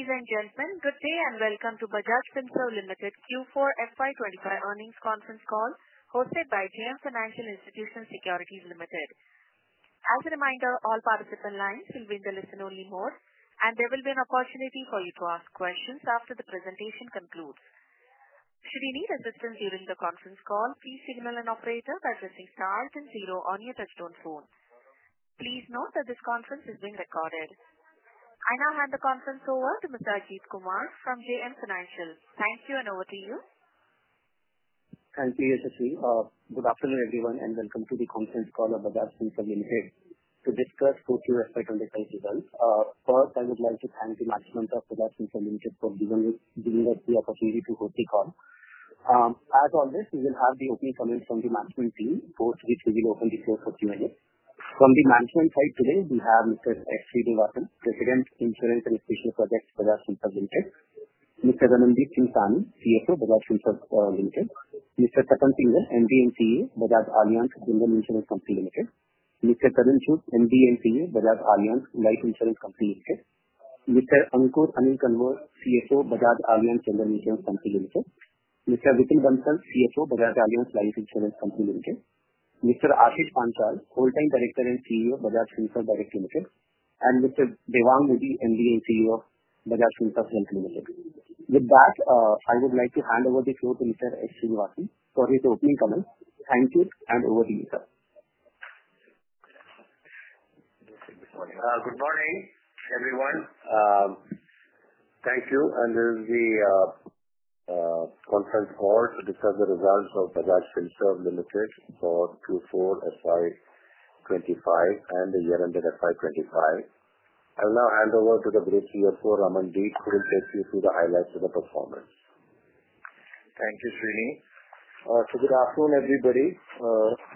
Ladies and gentlemen, good day and welcome to Bajaj Finserv Limited Q4 FY 2025 earnings conference call hosted by JM Financial Institutional Securities Limited. As a reminder, all participant lines will be in the listen-only mode, and there will be an opportunity for you to ask questions after the presentation concludes. Should you need assistance during the conference call, please signal an operator by pressing star and zero on your touch-tone phone. Please note that this conference is being recorded. I now hand the conference over to Mr. Ajit Kumar from JM Financial. Thank you, and over to you. Thank you, Yashasvi. Good afternoon, everyone, and welcome to the conference call of Bajaj Finserv Limited to discuss the Q4 FY 2025 results. First, I would like to thank the management of Bajaj Finserv Limited for giving us the opportunity to host the call. As always, we will have the opening comments from the management team, after which we will open the floor for a few minutes. From the management side today, we have Mr. S. Sreenivasan, President, Insurance and Special Projects, Bajaj Finserv Limited; Mr. Ramandeep Singh Sahni, CFO, Bajaj Finserv Limited; Mr. Tapan Singhel, MD and CEO, Bajaj Allianz General Insurance Company Limited; Mr. Tarun Chugh, MD and CEO, Bajaj Allianz Life Insurance Company Limited; Mr. Ankur Anil Kanwar, CFO, Bajaj Allianz General Insurance Company Limited; Mr. Vipin Bansal, CFO, Bajaj Allianz Life Insurance Company Limited; Mr. Ashish Panchal, Whole Time Director and CEO, Bajaj Finserv Direct Limited, and Mr. Devang Mody, MD and CEO, Bajaj Finserv Health Limited. With that, I would like to hand over the floor to Mr. S. Sreenivasan for his opening comments. Thank you, and over to you, sir. Good morning, everyone. Thank you. This is the conference call to discuss the results of Bajaj Finserv Limited for Q4 FY 2025 and the year-ended FY 2025. I will now hand over to the great CFO, Ramandeep, who will take you through the highlights of the performance. Thank you, Sreeni. Good afternoon, everybody.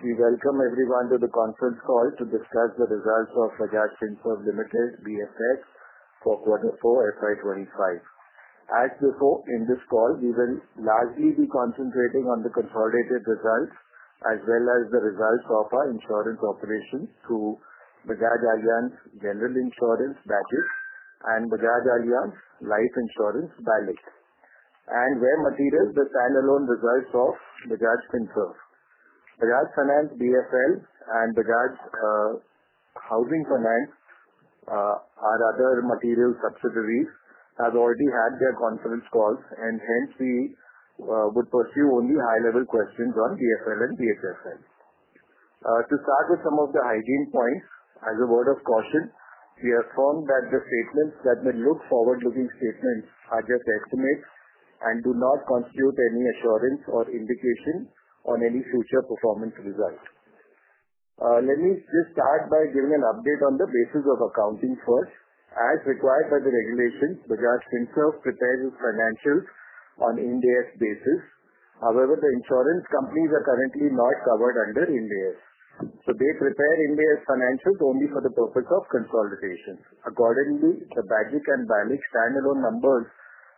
We welcome everyone to the conference call to discuss the results of Bajaj Finserv Limited, BFS, for quarter four FY 2025. As before, in this call, we will largely be concentrating on the consolidated results as well as the results of our insurance operations through Bajaj Allianz General Insurance (BAGIC), and Bajaj Allianz Life Insurance (BALIC). Where material, the standalone results of Bajaj Finserv. Bajaj Finance, BFL, and Bajaj Housing Finance are other material subsidiaries that already had their conference calls, and hence we would pursue only high-level questions on BFL and BHFL. To start with some of the hygiene points, as a word of caution, we affirm that the statements that may look forward-looking statements are just estimates and do not constitute any assurance or indication on any future performance results. Let me just start by giving an update on the basis of accounting first. As required by the regulations, Bajaj Finserv prepares its financials on Ind AS basis. However, the insurance companies are currently not covered under Ind AS. They prepare Ind AS financials only for the purpose of consolidation. Accordingly, the BAGIC and BALIC standalone numbers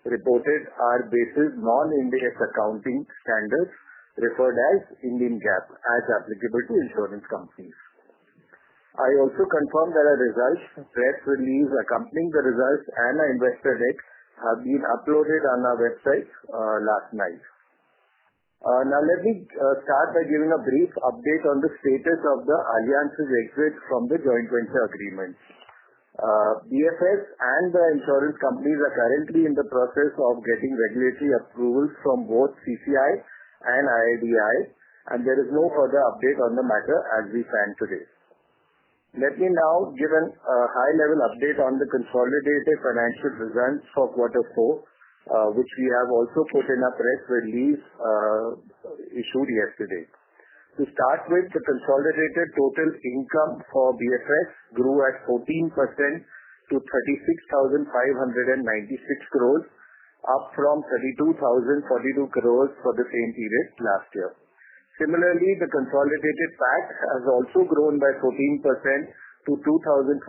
reported are based on Indian GAAP accounting standards, as applicable to insurance companies. I also confirm that our results, press release accompanying the results, and our investor deck have been uploaded on our website last night. Now, let me start by giving a brief update on the status of Allianz's exit from the joint venture agreement. BFS and the insurance companies are currently in the process of getting regulatory approvals from both CCI and IRDAI, and there is no further update on the matter as we stand today. Let me now give a high-level update on the consolidated financial results for quarter four, which we have also put in a press release issued yesterday. To start with, the consolidated total income for BFS grew at 14% to 36,596 crore, up from 32,042 crore for the same period last year. Similarly, the consolidated PAT has also grown by 14% to 2,417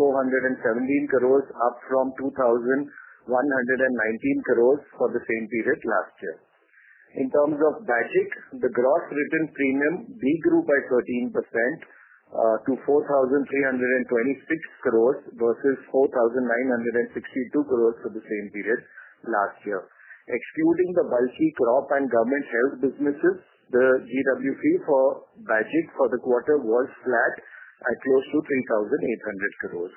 crore, up from 2,119 crore for the same period last year. In terms of BAGIC, the Gross Written Premium did grow by 13% to 4,326 crore versus 4,962 crore for the same period last year. Excluding the bulky crop and government health businesses, the GWP for BAGIC for the quarter was flat at close to 3,800 crore.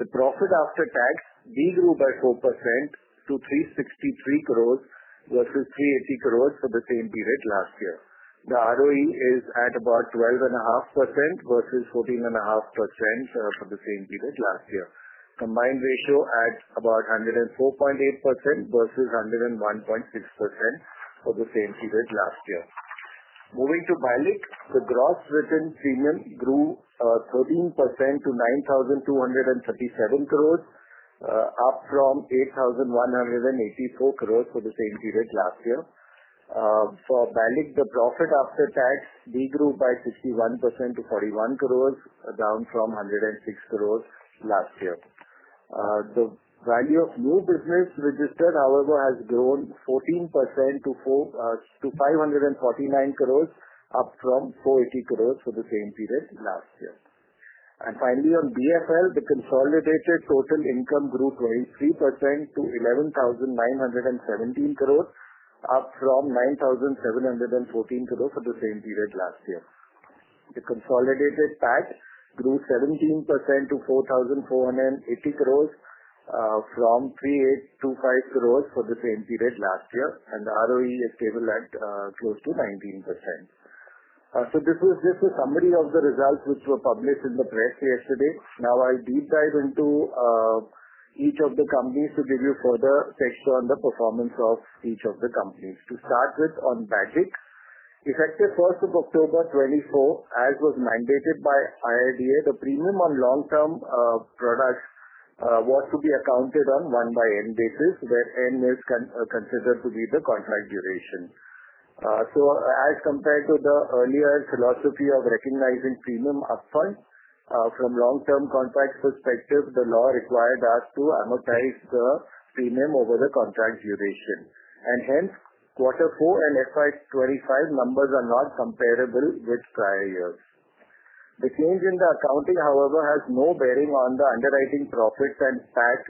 The profit after tax did grow by 4% to 363 crore versus 380 crore for the same period last year. The ROE is at about 12.5% versus 14.5% for the same period last year. Combined ratio at about 104.8% versus 101.6% for the same period last year. Moving to BALIC, the Gross Written Premium grew 13% to 9,237 crore, up from 8,184 crore for the same period last year. For BALIC, the profit after tax did grow by 61% to 41 crore, down from 106 crore last year. The value of new business registered, however, has grown 14% to 549 crore, up from 480 crore for the same period last year. Finally, on BFL, the consolidated total income grew 23% to 11,917 crore, up from 9,714 crore for the same period last year. The consolidated PAT grew 17% to 4,480 crore, from 3,825 crore for the same period last year, and the ROE is stable at close to 19%. This was just a summary of the results which were published in the press yesterday. Now, I'll deep dive into each of the companies to give you further texture on the performance of each of the companies. To start with, on BAGIC, effective 1st of October 2024, as was mandated by IIDA, the premium on long-term products was to be accounted on 1/n basis, where n is considered to be the contract duration. As compared to the earlier philosophy of recognizing premium upfront, from long-term contract perspective, the law required us to amortize the premium over the contract duration. Hence, qurter four and FY 2025 numbers are not comparable with prior years. The change in the accounting, however, has no bearing on the underwriting profits and PAT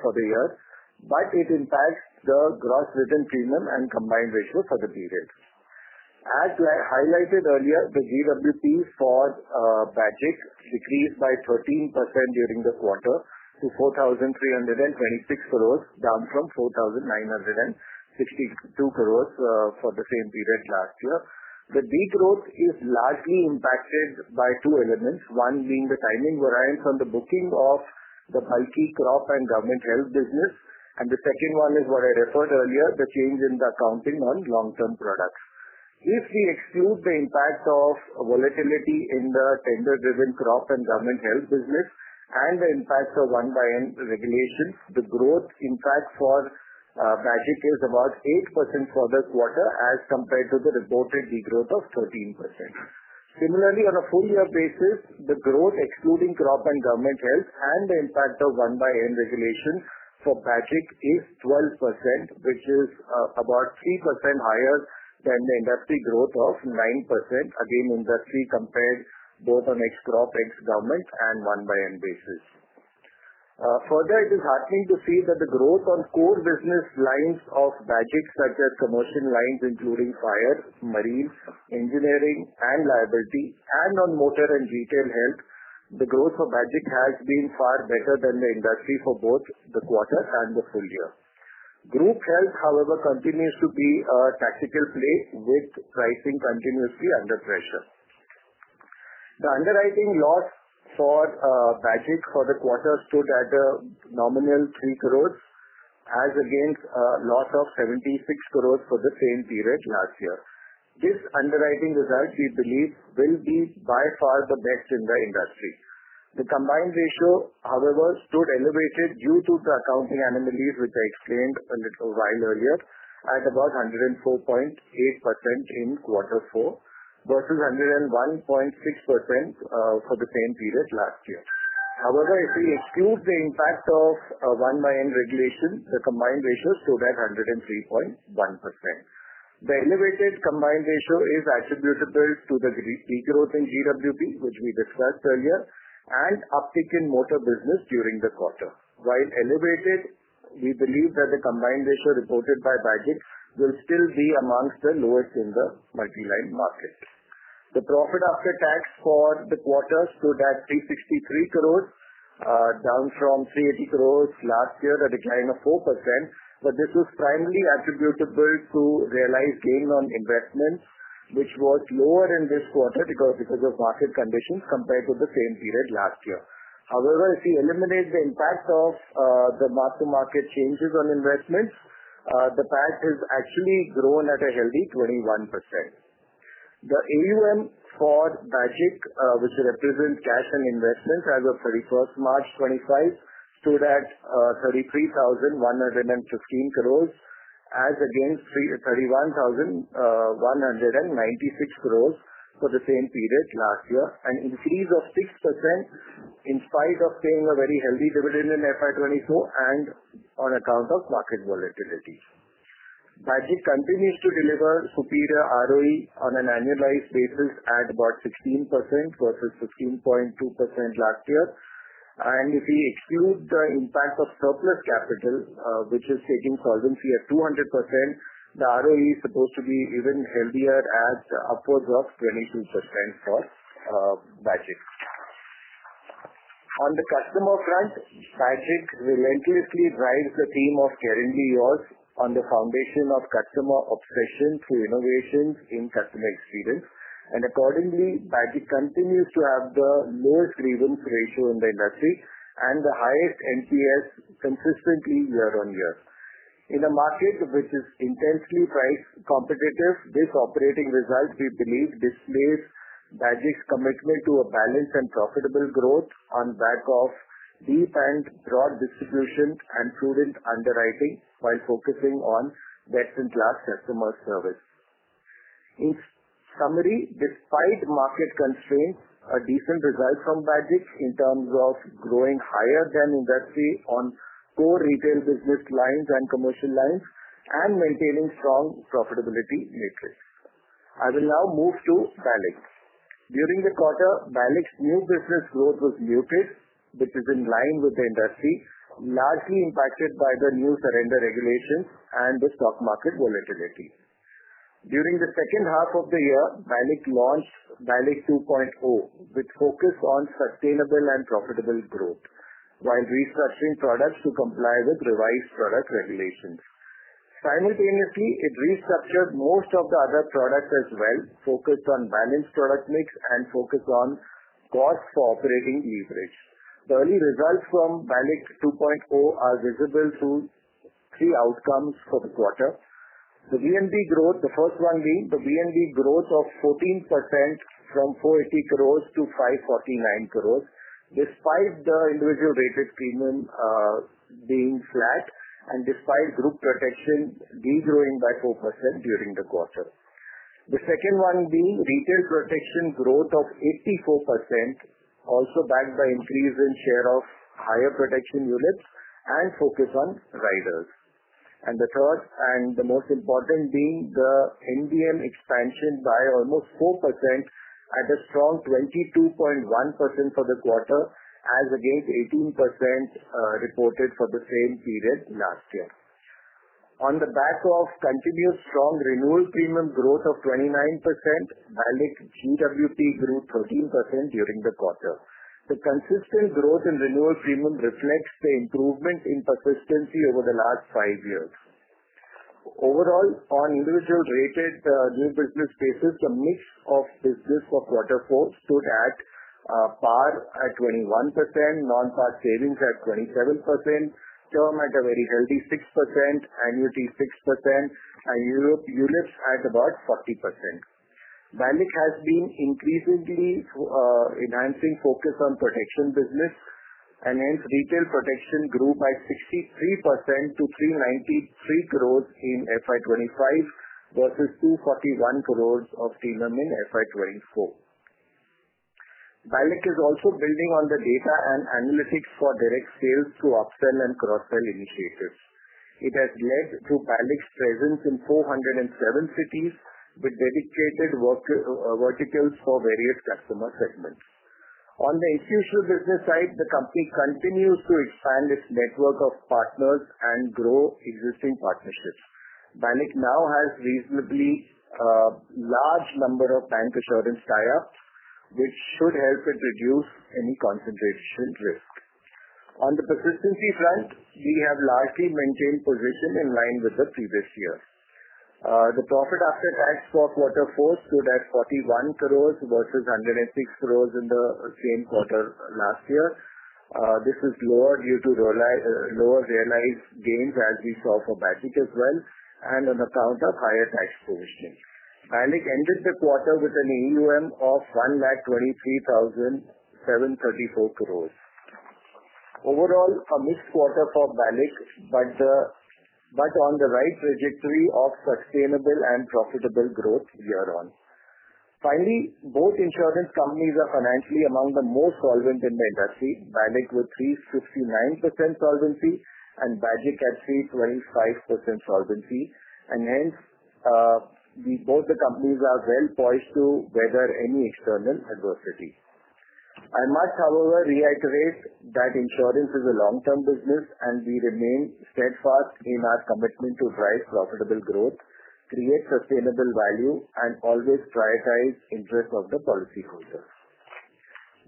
for the year, but it impacts the gross return premium and combined ratio for the period. As highlighted earlier, the GWP for BAGIC decreased by 13% during the quarter to 4,326 crore, down from 4,962 crore for the same period last year. The degrowth is largely impacted by two elements, one being the timing variance on the booking of the bulky crop and government health business, and the second one is what I referred earlier, the change in the accounting on long-term products. If we exclude the impact of volatility in the tender-driven crop and government health business and the impact of 1/n regulations, the growth, in fact, for BAGIC is about 8% for the quarter as compared to the reported degrowth of 13%. Similarly, on a full-year basis, the growth, excluding crop and government health and the impact of 1/n regulations for BAGIC, is 12%, which is about 3% higher than the industry growth of 9%, again, industry compared both on ex-crop, ex-government, and 1/n basis. Further, it is heartening to see that the growth on core business lines of BAGIC, such as commercial lines including fire, marine, engineering, and liability, and on motor and retail health, the growth for BAGIC has been far better than the industry for both the quarter and the full year. Group health, however, continues to be a tactical play with pricing continuously under pressure. The underwriting loss for BAGIC for the quarter stood at a nominal 3 crore, as against a loss of 76 crore for the same period last year. This underwriting result, we believe, will be by far the best in the industry. The combined ratio, however, stood elevated due to the accounting anomalies, which I explained a little while earlier, at about 104.8% in quarter four versus 101.6% for the same period last year. However, if we exclude the impact of 1/n regulation, the combined ratio stood at 103.1%. The elevated combined ratio is attributable to the degrowth in GWP, which we discussed earlier, and uptick in motor business during the quarter. While elevated, we believe that the combined ratio reported by BAGIC will still be amongst the lowest in the multi-line market. The profit after tax for the quarter stood at 363 crore, down from 380 crore last year, a decline of 4%, but this was primarily attributable to realized gains on investments, which was lower in this quarter because of market conditions compared to the same period last year. However, if we eliminate the impact of the mark-to-market changes on investments, the PAT has actually grown at a healthy 21%. The AUM for BAGIC, which represents cash and investments, as of 31st March 2025, stood at 33,115 crore, as against 31,196 crore for the same period last year, an increase of 6% in spite of paying a very healthy dividend in FY 2024 and on account of market volatility. BAGIC continues to deliver superior ROE on an annualized basis at about 16% versus 15.2% last year. If we exclude the impact of surplus capital, which is taking solvency at 200%, the ROE is supposed to be even healthier at upwards of 22% for BAGIC. On the customer front, BAGIC relentlessly drives the theme of caringly yours on the foundation of customer obsession through innovations in customer experience. Accordingly, BAGIC continues to have the lowest grievance ratio in the industry and the highest NPS consistently year-on-year. In a market which is intensely price competitive, this operating result, we believe, displays BAGIC's commitment to a balanced and profitable growth on back of deep and broad distribution and prudent underwriting while focusing on best-in-class customer service. In summary, despite market constraints, a decent result from BAGIC in terms of growing higher than industry on core retail business lines and commercial lines and maintaining strong profitability metrics. I will now move to BALIC. During the quarter, BALIC's new business growth was muted, which is in line with the industry, largely impacted by the new surrender regulations and the stock market volatility. During the second half of the year, BALIC launched BALIC 2.0, which focused on sustainable and profitable growth while restructuring products to comply with revised product regulations. Simultaneously, it restructured most of the other products as well, focused on balanced product mix and focused on cost for operating leverage. The early results from BALIC 2.0 are visible through three outcomes for the quarter. The VNB growth, the first one being the VNB growth of 14% from 4.80 crore to 5.49 crore, despite the individual rated premium being flat and despite group protection degrowing by 4% during the quarter. The second one being retail protection growth of 84%, also backed by increase in share of higher protection units and focus on riders. The third and the most important being the NBM expansion by almost 4% at a strong 22.1% for the quarter, as against 18% reported for the same period last year. On the back of continuous strong renewal premium growth of 29%, BALIC GWP grew 13% during the quarter. The consistent growth in renewal premium reflects the improvement in persistency over the last five years. Overall, on individual rated new business basis, the mix of business for quarter four stood at PAR at 21%, non-PAR savings at 27%, term at a very healthy 6%, annuity 6%, and units at about 40%. BALIC has been increasingly enhancing focus on protection business, and hence retail protection grew by 63% to 393 crore in FY 2025 versus 241 crore of premium in FY 2024. BALIC is also building on the data and analytics for direct sales through upsell and cross-sell initiatives. It has led to BALIC's presence in 407 cities with dedicated verticals for various customer segments. On the institutional business side, the company continues to expand its network of partners and grow existing partnerships. BALIC now has reasonably large number of bancassurance tie-ups, which should help it reduce any concentration risk. On the persistency front, we have largely maintained position in line with the previous year. The profit after tax for quarter four stood at 41 crore versus 106 crore in the same quarter last year. This is lower due to lower realized gains as we saw for BALIC as well, and on account of higher tax provisioning. BALIC ended the quarter with an AUM of 1,23,734 crore. Overall, a mixed quarter for BALIC, but on the right trajectory of sustainable and profitable growth year-on. Finally, both insurance companies are financially among the most solvent in the industry. BALIC with 369% solvency and BAGIC at 325% solvency. Hence, both the companies are well poised to weather any external adversity. I must, however, reiterate that insurance is a long-term business, and we remain steadfast in our commitment to drive profitable growth, create sustainable value, and always prioritize interests of the policyholders.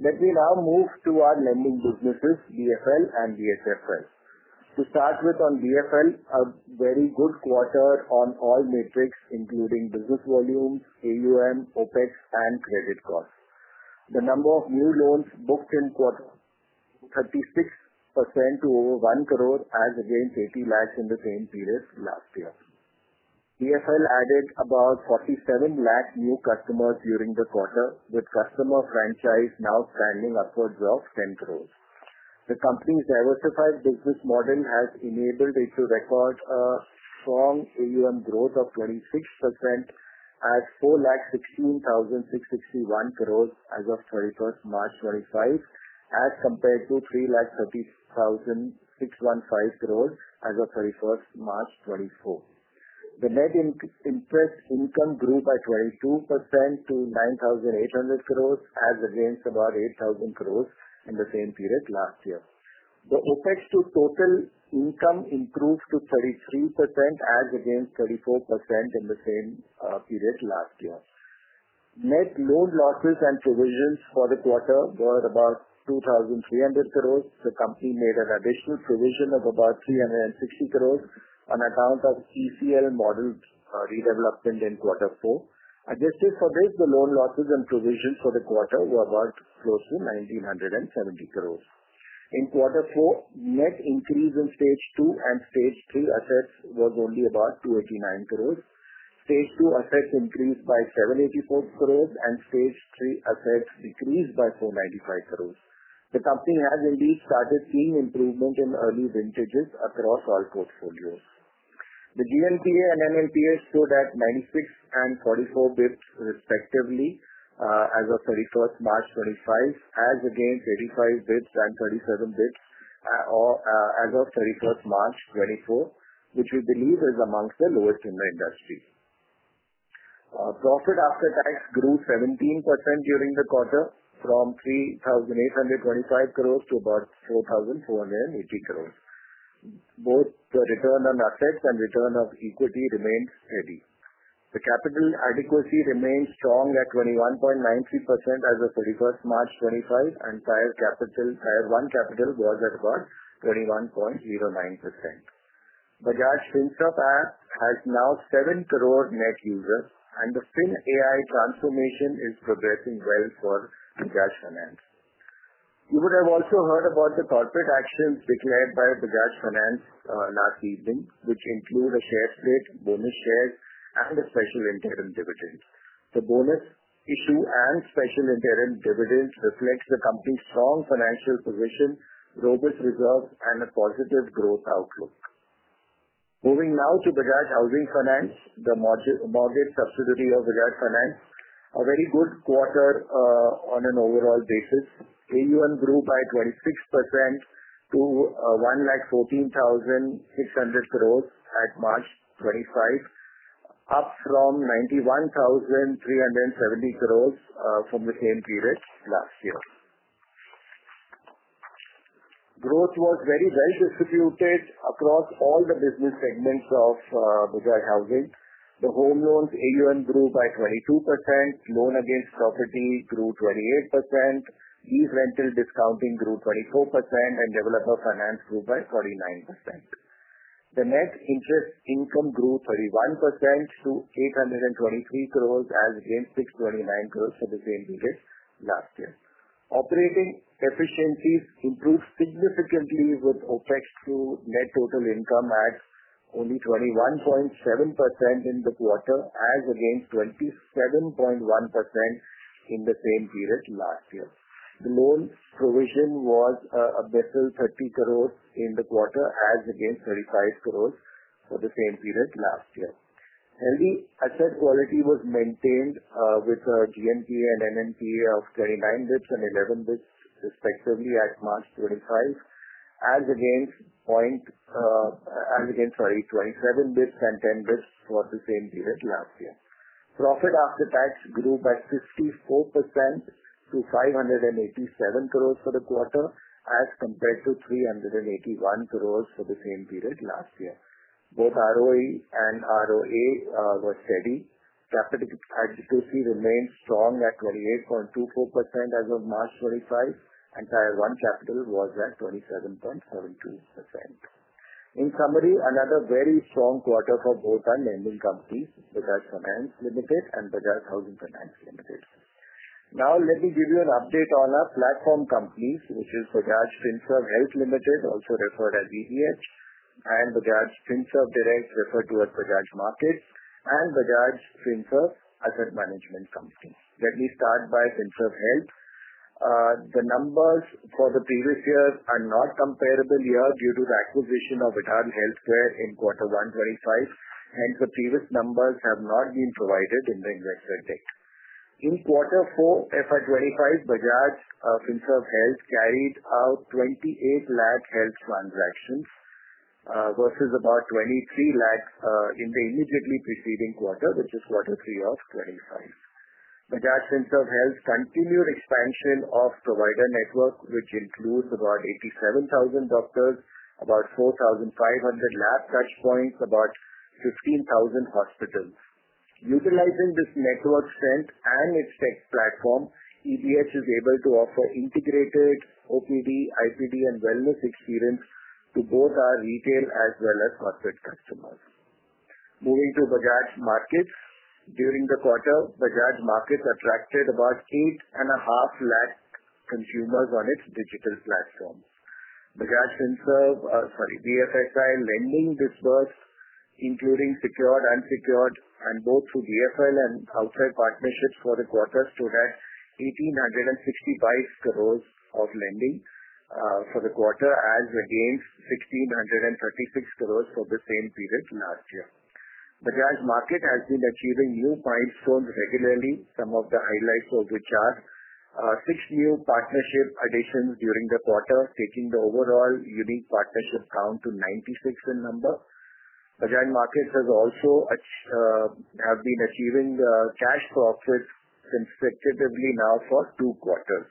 Let me now move to our lending businesses, BFL and BSFL. To start with, on BFL, a very good quarter on all metrics, including business volumes, AUM, OPEX, and credit costs. The number of new loans booked in quarter rose 36% to over 10 million, as against 8 million in the same period last year. BFL added about 4.7 million new customers during the quarter, with customer franchise now standing upwards of 100 million. The company's diversified business model has enabled it to record a strong AUM growth of 26% at 416,661 crore as of 31st March 2025, as compared to 330,615 crore as of 31st March 2024. The net interest income grew by 22% to 9,800 crore, as against about 8,000 crore in the same period last year. The OPEX to total income improved to 33%, as against 34% in the same period last year. Net loan losses and provisions for the quarter were about 2,300 crore. The company made an additional provision of about 360 crore on account of TCL model redevelopment in quarter four. Adjusted for this, the loan losses and provisions for the quarter were about close to 1,970 crore. In quarter four, net increase in stage two and stage three assets was only about 289 crore. Stage two assets increased by 784 crore, and stage three assets decreased by 495 crore. The company has indeed started seeing improvement in early vintages across all portfolios. The GNPA and NNPA stood at 96 and 44 basis points, respectively, as of 31st March 2025, as against 85 basis points and 37 basis points as of 31st March 2024, which we believe is amongst the lowest in the industry. Profit after tax grew 17% during the quarter, from 3,825 crore to about 4,480 crore. Both the return on assets and return on equity remained steady. The capital adequacy remained strong at 21.93% as of 31st March 2025, and Tier One Capital was at about 21.09%. The Bajaj Finserv app has now 7 crore net users, and the FinAI transformation is progressing well for Bajaj Finance. You would have also heard about the corporate actions declared by Bajaj Finance last evening, which include a share split, bonus shares, and a special interim dividend. The bonus issue and special interim dividend reflect the company's strong financial position, robust reserves, and a positive growth outlook. Moving now to Bajaj Housing Finance, the mortgage subsidiary of Bajaj Finance. A very good quarter on an overall basis. AUM grew by 26% to 114,600 crore at March 2025, up from 91,370 crore from the same period last year. Growth was very well distributed across all the business segments of Bajaj Housing. The home loans AUM grew by 22%. Loan against property grew 28%. Lease rental discounting grew 24%, and developer finance grew by 49%. The net interest income grew 31% to 823 crore, as against 629 crore for the same period last year. Operating efficiencies improved significantly with OPEX to net total income at only 21.7% in the quarter, as against 27.1% in the same period last year. The loan provision was a best of 30 crore in the quarter, as against 35 crore for the same period last year. Healthy asset quality was maintained with GNPA and NNPA of 29 basis points and 11 basis points, respectively, at March 2025, as against 27 basis points and 10 basis points for the same period last year. Profit after tax grew by 54% to 587 crore for the quarter, as compared to 381 crore for the same period last year. Both ROE and ROA were steady. Capital adequacy remained strong at 28.24% as of March 2025, and Tier One Capital was at 27.72%. In summary, another very strong quarter for both our lending companies, Bajaj Finance Limited and Bajaj Housing Finance Limited. Now, let me give you an update on our platform companies, which is Bajaj Finserv Health Limited, also referred to as eBH, and Bajaj Finserv Direct, referred to as Bajaj Markets, and Bajaj Finserv Asset Management Company. Let me start by Finserv Health. The numbers for the previous year are not comparable here due to the acquisition of Vidal Healthcare in quarter one 2025. Hence, the previous numbers have not been provided in the investor data. In quarter four FY 2025, Bajaj Finserv Health carried out 2.8 million health transactions versus about 2.3 million in the immediately preceding quarter, which is quarter three of 2025. Bajaj Finserv Health continued expansion of provider network, which includes about 87,000 doctors, about 4,500 lab touchpoints, about 15,000 hospitals. Utilizing this network strength and its tech platform, eBH is able to offer integrated OPD, IPD, and wellness experience to both our retail as well as corporate customers. Moving to Bajaj Markets, during the quarter, Bajaj Markets attracted about 850,000 consumers on its digital platform. Bajaj Finserv, sorry, BFSI lending this quarter, including secured and unsecured, and both through BFL and outside partnerships for the quarter, stood at 1,865 crore of lending for the quarter, as against 1,636 crore for the same period last year. Bajaj Markets has been achieving new milestones regularly. Some of the highlights of which are six new partnership additions during the quarter, taking the overall unique partnership count to 96 in number. Bajaj Markets has also been achieving cash profits consecutively now for two quarters.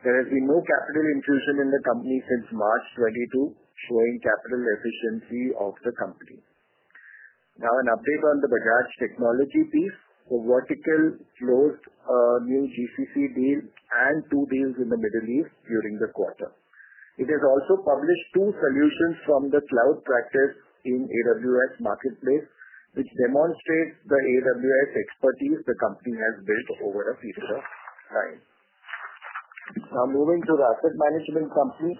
There has been no capital infusion in the company since March 2022, showing capital efficiency of the company. Now, an update on the Bajaj technology piece. The vertical closed a new GCC deal and two deals in the Middle East during the quarter. It has also published two solutions from the cloud practice in AWS Marketplace, which demonstrates the AWS expertise the company has built over a period of time. Now, moving to the asset management company.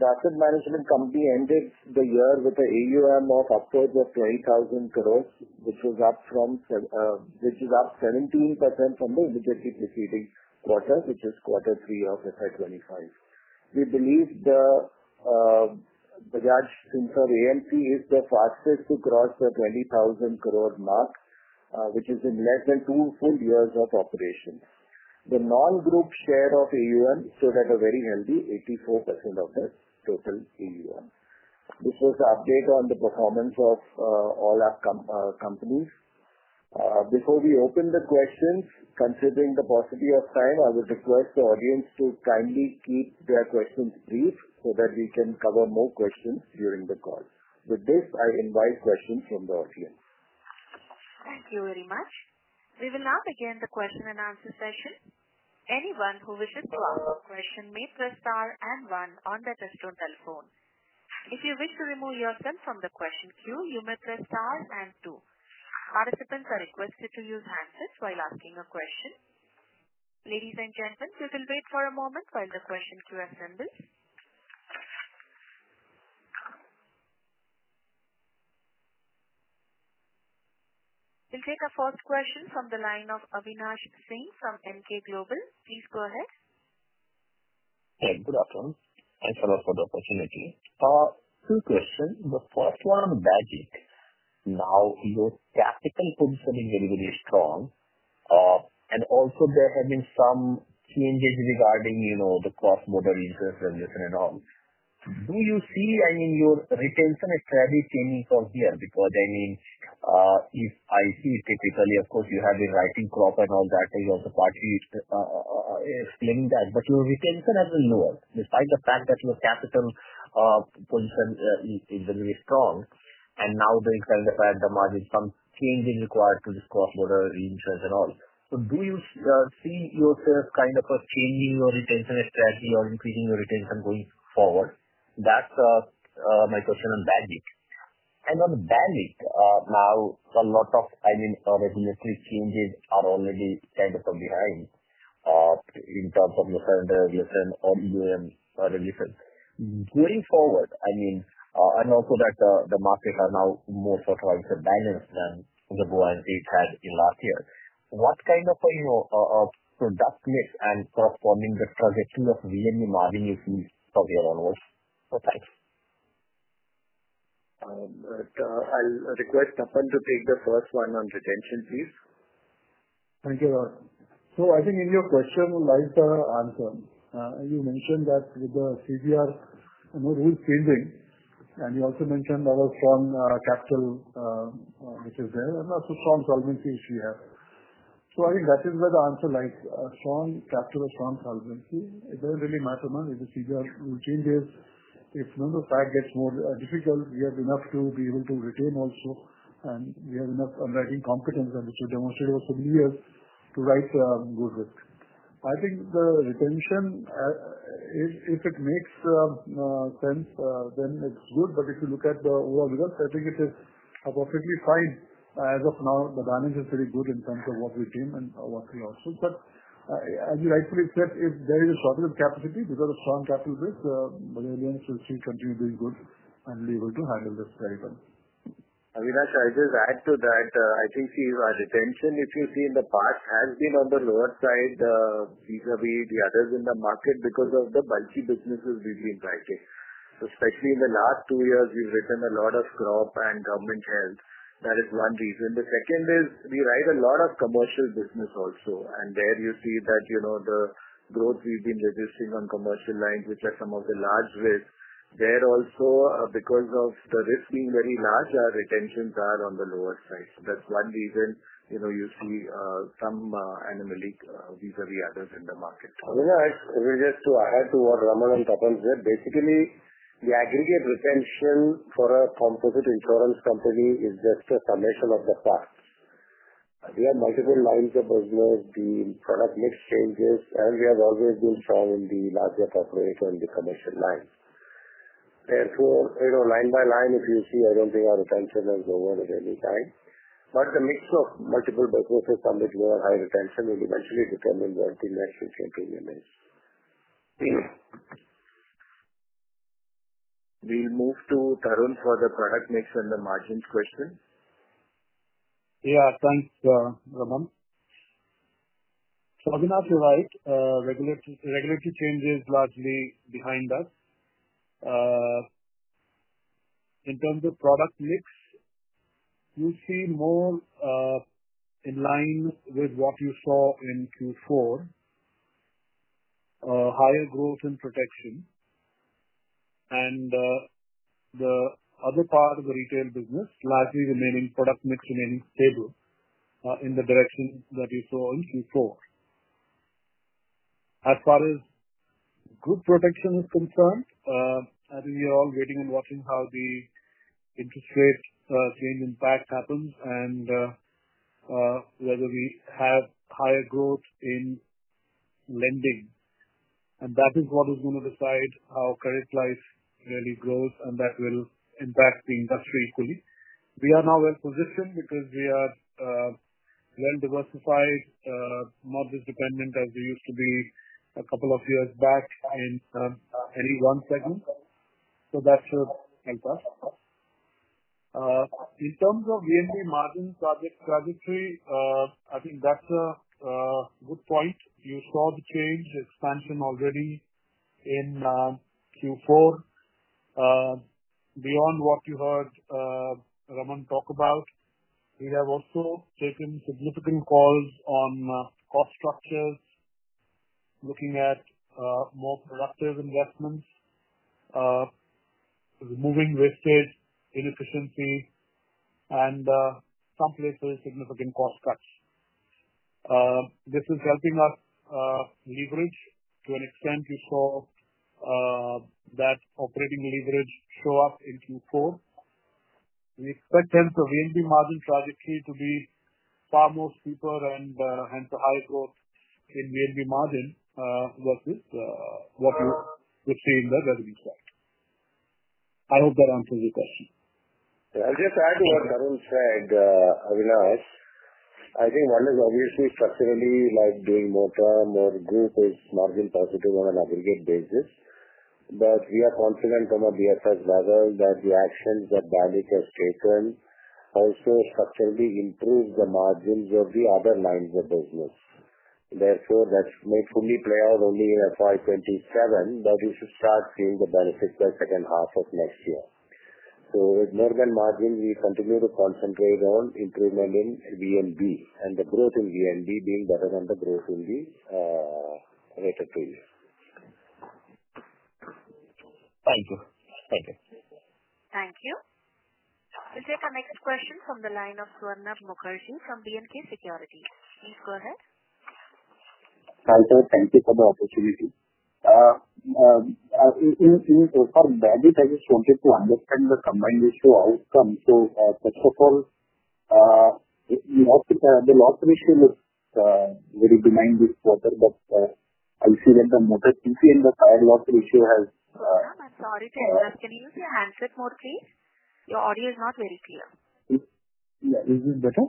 The asset management company ended the year with an AUM of upwards of 20,000 crore, which is up 17% from the immediately preceding quarter, which is quarter three of FY 2025. We believe the Bajaj Finserv AMP is the fastest to cross the 20,000 crore mark, which is in less than two full years of operation. The non-group share of AUM stood at a very healthy 84% of the total AUM. This was the update on the performance of all our companies. Before we open the questions, considering the paucity of time, I would request the audience to kindly keep their questions brief so that we can cover more questions during the call. With this, I invite questions from the audience. Thank you very much. We will now begin the question-and-answer session. Anyone who wishes to ask a question may press star and one on the touchstone telephone. If you wish to remove yourself from the question queue, you may press star and two. Participants are requested to use handsets while asking a question. Ladies and gentlemen, you can wait for a moment while the question queue assembles. We'll take a first question from the line of Avinash Singh from Emkay Global. Please go ahead. Hey, good afternoon. Thanks a lot for the opportunity. Two questions. The first one on BAGIC. Now, your capital pool is getting very, very strong. Also, there have been some changes regarding the cross-border resource revolution and all. Do you see, I mean, your retention is slightly changing from here? Because, I mean, if I see typically, of course, you have been writing proper and all that. You also explaining that. Your retention has been lower, despite the fact that your capital pool is getting very strong. Now, there is kind of at the margin some changes required to this cross-border insurance and all. Do you see yourself kind of changing your retention strategy or increasing your retention going forward? That's my question on Bajaj. On Bajaj, now, a lot of, I mean, regulatory changes are already kind of behind in terms of your evolution or AUM evolution. Going forward, I mean, and also that the markets are now more sort of balanced than the goal and state had in last year. What kind of a product mix and corresponding the transition of VNB margin do you see from here onwards? Thanks. I'll request Tapan to take the first one on retention, please. Thank you. I think in your question, lies the answer, you mentioned that with the CBR rules changing, and you also mentioned our strong capital, which is there, and also strong solvency issue here. I think that is where the answer lies. Strong capital or strong solvency, it doesn't really matter now. If the CBR rule changes, if the fact gets more difficult, we have enough to be able to retain also, and we have enough underwriting competence, which you demonstrated for several years, to write good risk. I think the retention, if it makes sense, then it's good. If you look at the overall results, I think it is perfectly fine. As of now, the balance is very good in terms of what we've done and what we also. As you rightfully said, if there is a shortage of capacity because of strong capital risk, resilience will still continue being good and be able to handle this very well. Avinash, I'll just add to that. I think our retention, if you see in the past, has been on the lower side vis-à-vis the others in the market because of the bulky businesses we've been writing. Especially in the last two years, we've written a lot of crop and government health. That is one reason. The second is we write a lot of commercial business also. There you see that the growth we've been registering on commercial lines, which are some of the large risk. There also, because of the risk being very large, our retentions are on the lower side. That's one reason you see some anomaly vis-à-vis others in the market. Avinash, just to add to what Ramandeep and Tapan said, basically, the aggregate retention for a composite insurance company is just a summation of the past. We have multiple lines of business, the product mix changes, and we have always been strong in the large-cap operator and the commercial lines. Therefore, line by line, if you see, I don't think our retention has lowered at any time. The mix of multiple businesses come with lower high retention will eventually determine what the net retention premium is. We'll move to Tarun for the product mix and the margins question. Yeah, thanks, Raman. Avinash, you're right. Regulatory changes largely behind us. In terms of product mix, you see more in line with what you saw in Q4, higher growth in protection. The other part of the retail business, largely remaining product mix remaining stable in the direction that you saw in Q4. As far as group protection is concerned, I think we are all waiting and watching how the interest rate change impact happens and whether we have higher growth in lending. That is what is going to decide how credit life really grows, and that will impact the industry equally. We are now well-positioned because we are well-diversified, not as dependent as we used to be a couple of years back in any one segment. That should help us. In terms of VNB margin trajectory, I think that's a good point. You saw the change expansion already in Q4. Beyond what you heard Ramandeep talk about, we have also taken significant calls on cost structures, looking at more productive investments, removing wastage, inefficiency, and some places significant cost cuts. This is helping us leverage to an extent you saw that operating leverage show up in Q4. We expect hence the VNB margin trajectory to be far more steeper and hence a higher growth in VNB margin versus what you would see in the revenue side. I hope that answers your question. I'll just add to what Tarun said, Avinash. I think one is obviously structurally doing more term, or group is margin positive on an aggregate basis. We are confident from a BFS level that the actions that BALIC has taken also structurally improved the margins of the other lines of business. Therefore, that may fully play out only in FY 2027, but we should start seeing the benefits by second half of next year. With more than margin, we continue to concentrate on improvement in VNB and the growth in VNB being better than the growth in the latter two years. Thank you. Thank you. Thank you. We'll take our next question from the line of Swarnabh Mukherjee from B&K Securities. Please go ahead. Hi there. Thank you for the opportunity. For BAGIC, I just wanted to understand the combined issue outcome. First of all, the loss ratio looks very benign this quarter, but I see that the motor TP and the fire loss ratio has. I'm sorry to interrupt. Can you use your handset mode, please? Your audio is not very clear. Is this better?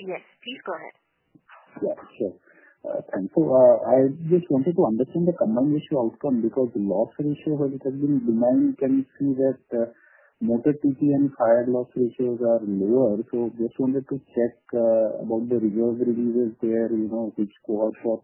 Yes. Please go ahead. Yeah, sure. Thanks. I just wanted to understand the combined issue outcome because the loss ratio has been benign. Can you see that motor TP and fire loss ratios are lower? Just wanted to check about the reserve releases there, which quarter,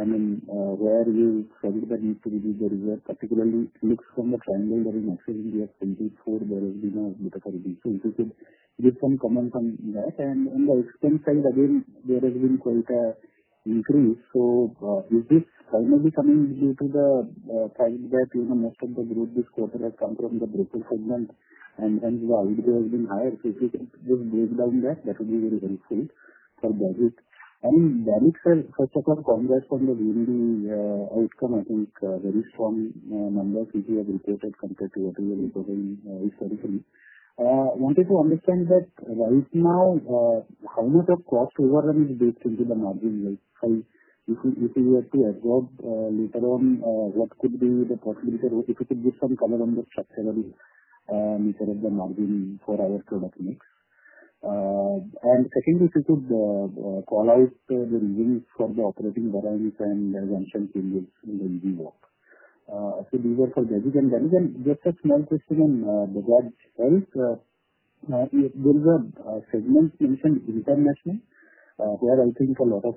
I mean, where you felt that need to release the reserve, particularly looks from the triangle that in Excel in the financial year 2024, there has been a bit of a release. If you could give some comment on that. On the expense side, again, there has been quite an increase. Is this finally coming due to the fact that most of the growth this quarter has come from the broker segment, and hence the outlay has been higher? If you could just break down that, that would be very helpful for BAGIC. And BALIC, first of all, congrats on the VNB outcome. I think very strong numbers which you have reported compared to what we are reporting historically. I wanted to understand that right now, how much of crossover is baked into the margin? If you had to absorb later on, what could be the possibility of if you could give some color on the structural nature of the margin for our product mix. Second, if you could call out the reasons for the operating variance and there's uncertainties in the EV work. These are for BALIC. Just a small question on Bajaj Health. There is a segment mentioned internationally where I think a lot of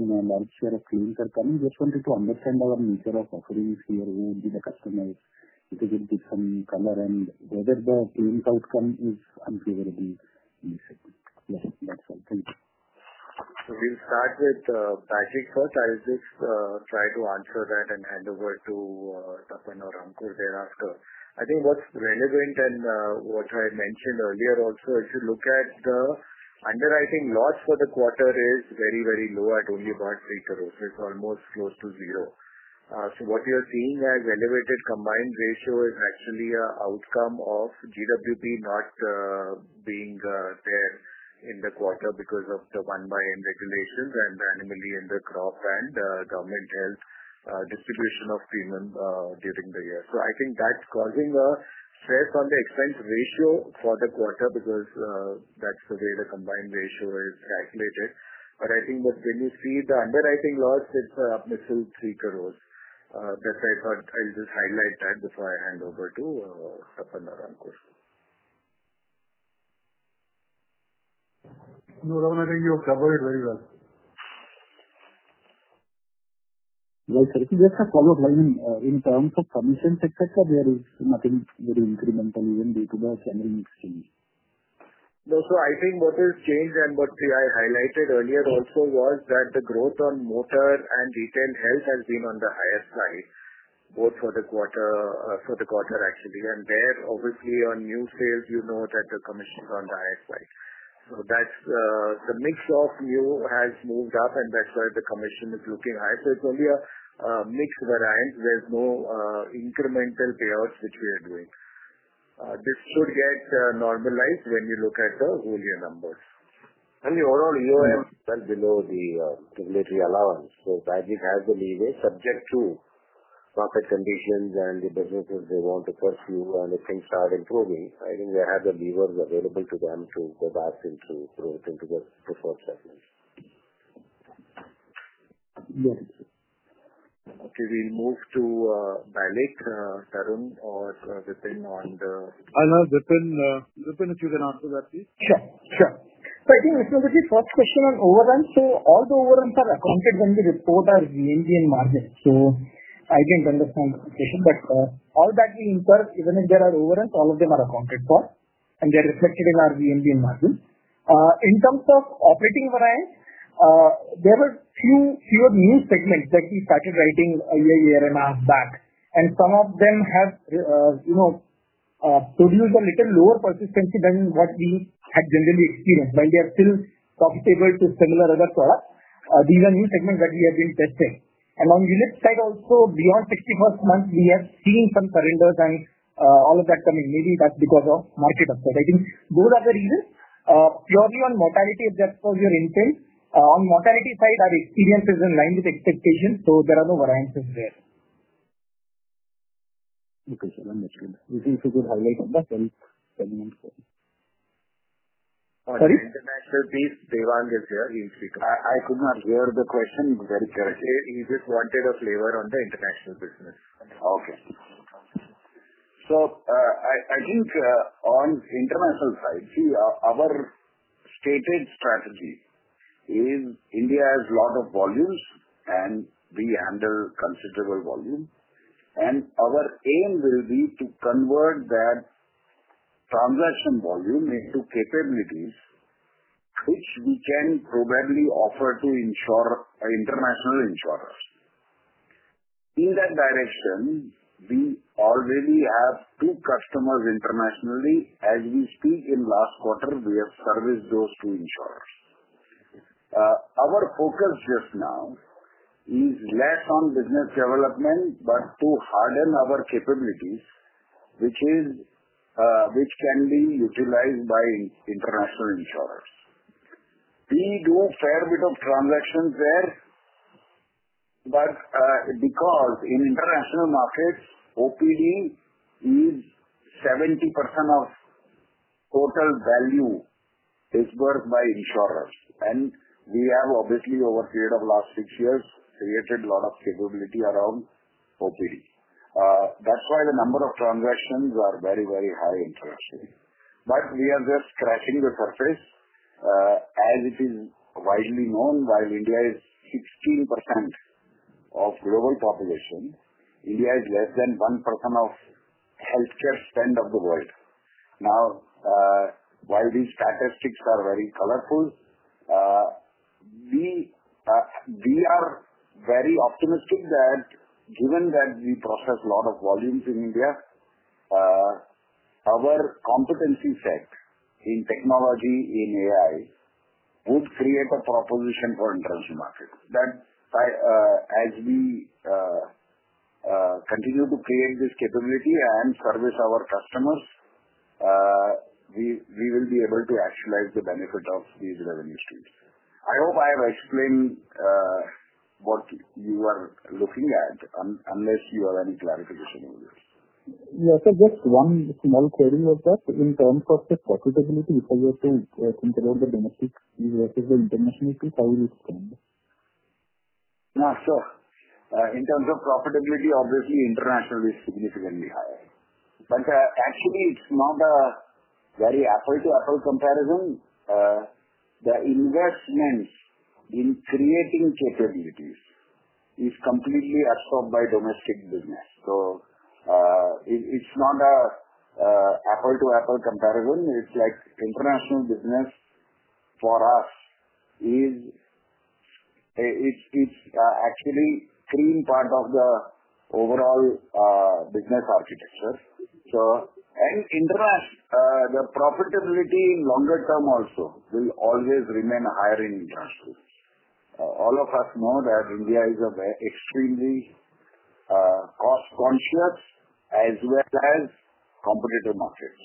large share of claims are coming. Just wanted to understand our nature of offerings here, who would be the customers, if you could give some color and whether the claims outcome is unfavorable in this segment. Yes, that's all. Thank you. We'll start with BAGIC first. I'll just try to answer that and hand over to Tapan or Ankur thereafter. I think what's relevant and what I mentioned earlier also, if you look at the underwriting loss for the quarter, it is very, very low at only about 3 crore. It's almost close to zero. What you're seeing as elevated combined ratio is actually an outcome of GWP not being there in the quarter because of the 1/n regulations and anomaly in the crop and government health distribution of premium during the year. I think that's causing a stress on the expense ratio for the quarter because that's the way the combined ratio is calculated. I think that when you see the underwriting loss, it's an upward tilt, 3 crore. That's why I thought I'll just highlight that before I hand over to Tapan or Anckur. No, Raman, I think you have covered it very well. Sorry. Just a follow-up. I mean, in terms of permissions, etc., there is nothing very incremental even day-to-day mix change. No, I think what has changed and what I highlighted earlier also was that the growth on motor and retail health has been on the higher side, both for the quarter actually. There, obviously, on new sales, you know that the commission is on the higher side. That is, the mix of new has moved up, and that is why the commission is looking higher. It is only a mix variance. There are no incremental payouts which we are doing. This should get normalized when you look at the wholier numbers. The overall EOM is well below the regulatory allowance. BAGIC has the leeway, subject to market conditions and the businesses they want to pursue, and if things start improving, I think they have the levers available to them to go back into growth into the preferred segment. Yes. Okay, we will move to BALIC. Tarun, or Vipin on the? I will have Vipin. Vipin, if you can answer that, please. Sure. Sure. I think this is the first question on overruns. All the overruns are accounted when we report our VNB and margins. I did not understand the question, but all that we incur, even if there are overruns, all of them are accounted for, and they are reflected in our VNB and margins. In terms of operating variance, there were fewer new segments that we started writing a year, year and a half back. Some of them have produced a little lower persistency than what we had generally experienced. While they are still profitable to similar other products, these are new segments that we have been testing. On the ellipse side also, beyond the 61st month, we have seen some surrenders and all of that coming. Maybe that is because of market upside. I think those are the reasons. Purely on mortality, if that is your intent, on the mortality side, our experience is in line with expectations, so there are no variances there. Okay, sir. Understood. If you could highlight on international business. Sorry? International piece, Devang is here. He will speak up. I could not hear the question very clearly. He just wanted a flavor on the international business. Okay. I think on the international side, our stated strategy is India has a lot of volumes, and we handle considerable volume. Our aim will be to convert that transaction volume into capabilities, which we can probably offer to international insurers. In that direction, we already have two customers internationally. As we speak, in the last quarter, we have serviced those two insurers. Our focus just now is less on business development, but to harden our capabilities, which can be utilized by international insurers. We do a fair bit of transactions there, because in international markets, OPD is 70% of total value worked by insurers. We have, obviously, over a period of the last six years, created a lot of capability around OPD. That's why the number of transactions are very, very high internationally. We are just scratching the surface, as it is widely known. While India is 16% of global population, India is less than 1% of healthcare spend of the world. Now, while these statistics are very colorful, we are very optimistic that given that we process a lot of volumes in India, our competency set in technology, in AI, would create a proposition for international markets. That as we continue to create this capability and service our customers, we will be able to actualize the benefit of these revenue streams. I hope I have explained what you are looking at, unless you have any clarification over this. Yes, sir. Just one small query with that. In terms of the profitability, if I were to think about the domestic versus the international piece, how will it stand? No, sure. In terms of profitability, obviously, international is significantly higher. Actually, it's not a very apple-to-apple comparison. The investment in creating capabilities is completely absorbed by domestic business. So it's not an apple-to-apple comparison. It's like international business for us is actually a clean part of the overall business architecture. The profitability in longer term also will always remain higher in international. All of us know that India is an extremely cost-conscious as well as competitive market.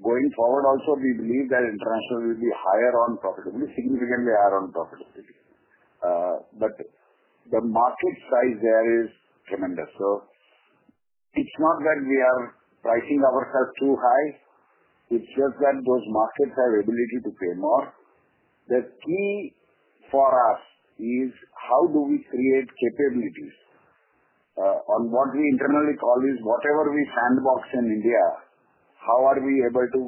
Going forward also, we believe that international will be higher on profitability, significantly higher on profitability. The market size there is tremendous. It's not that we are pricing ourselves too high. It's just that those markets have the ability to pay more. The key for us is how do we create capabilities on what we internally call is whatever we sandbox in India, how are we able to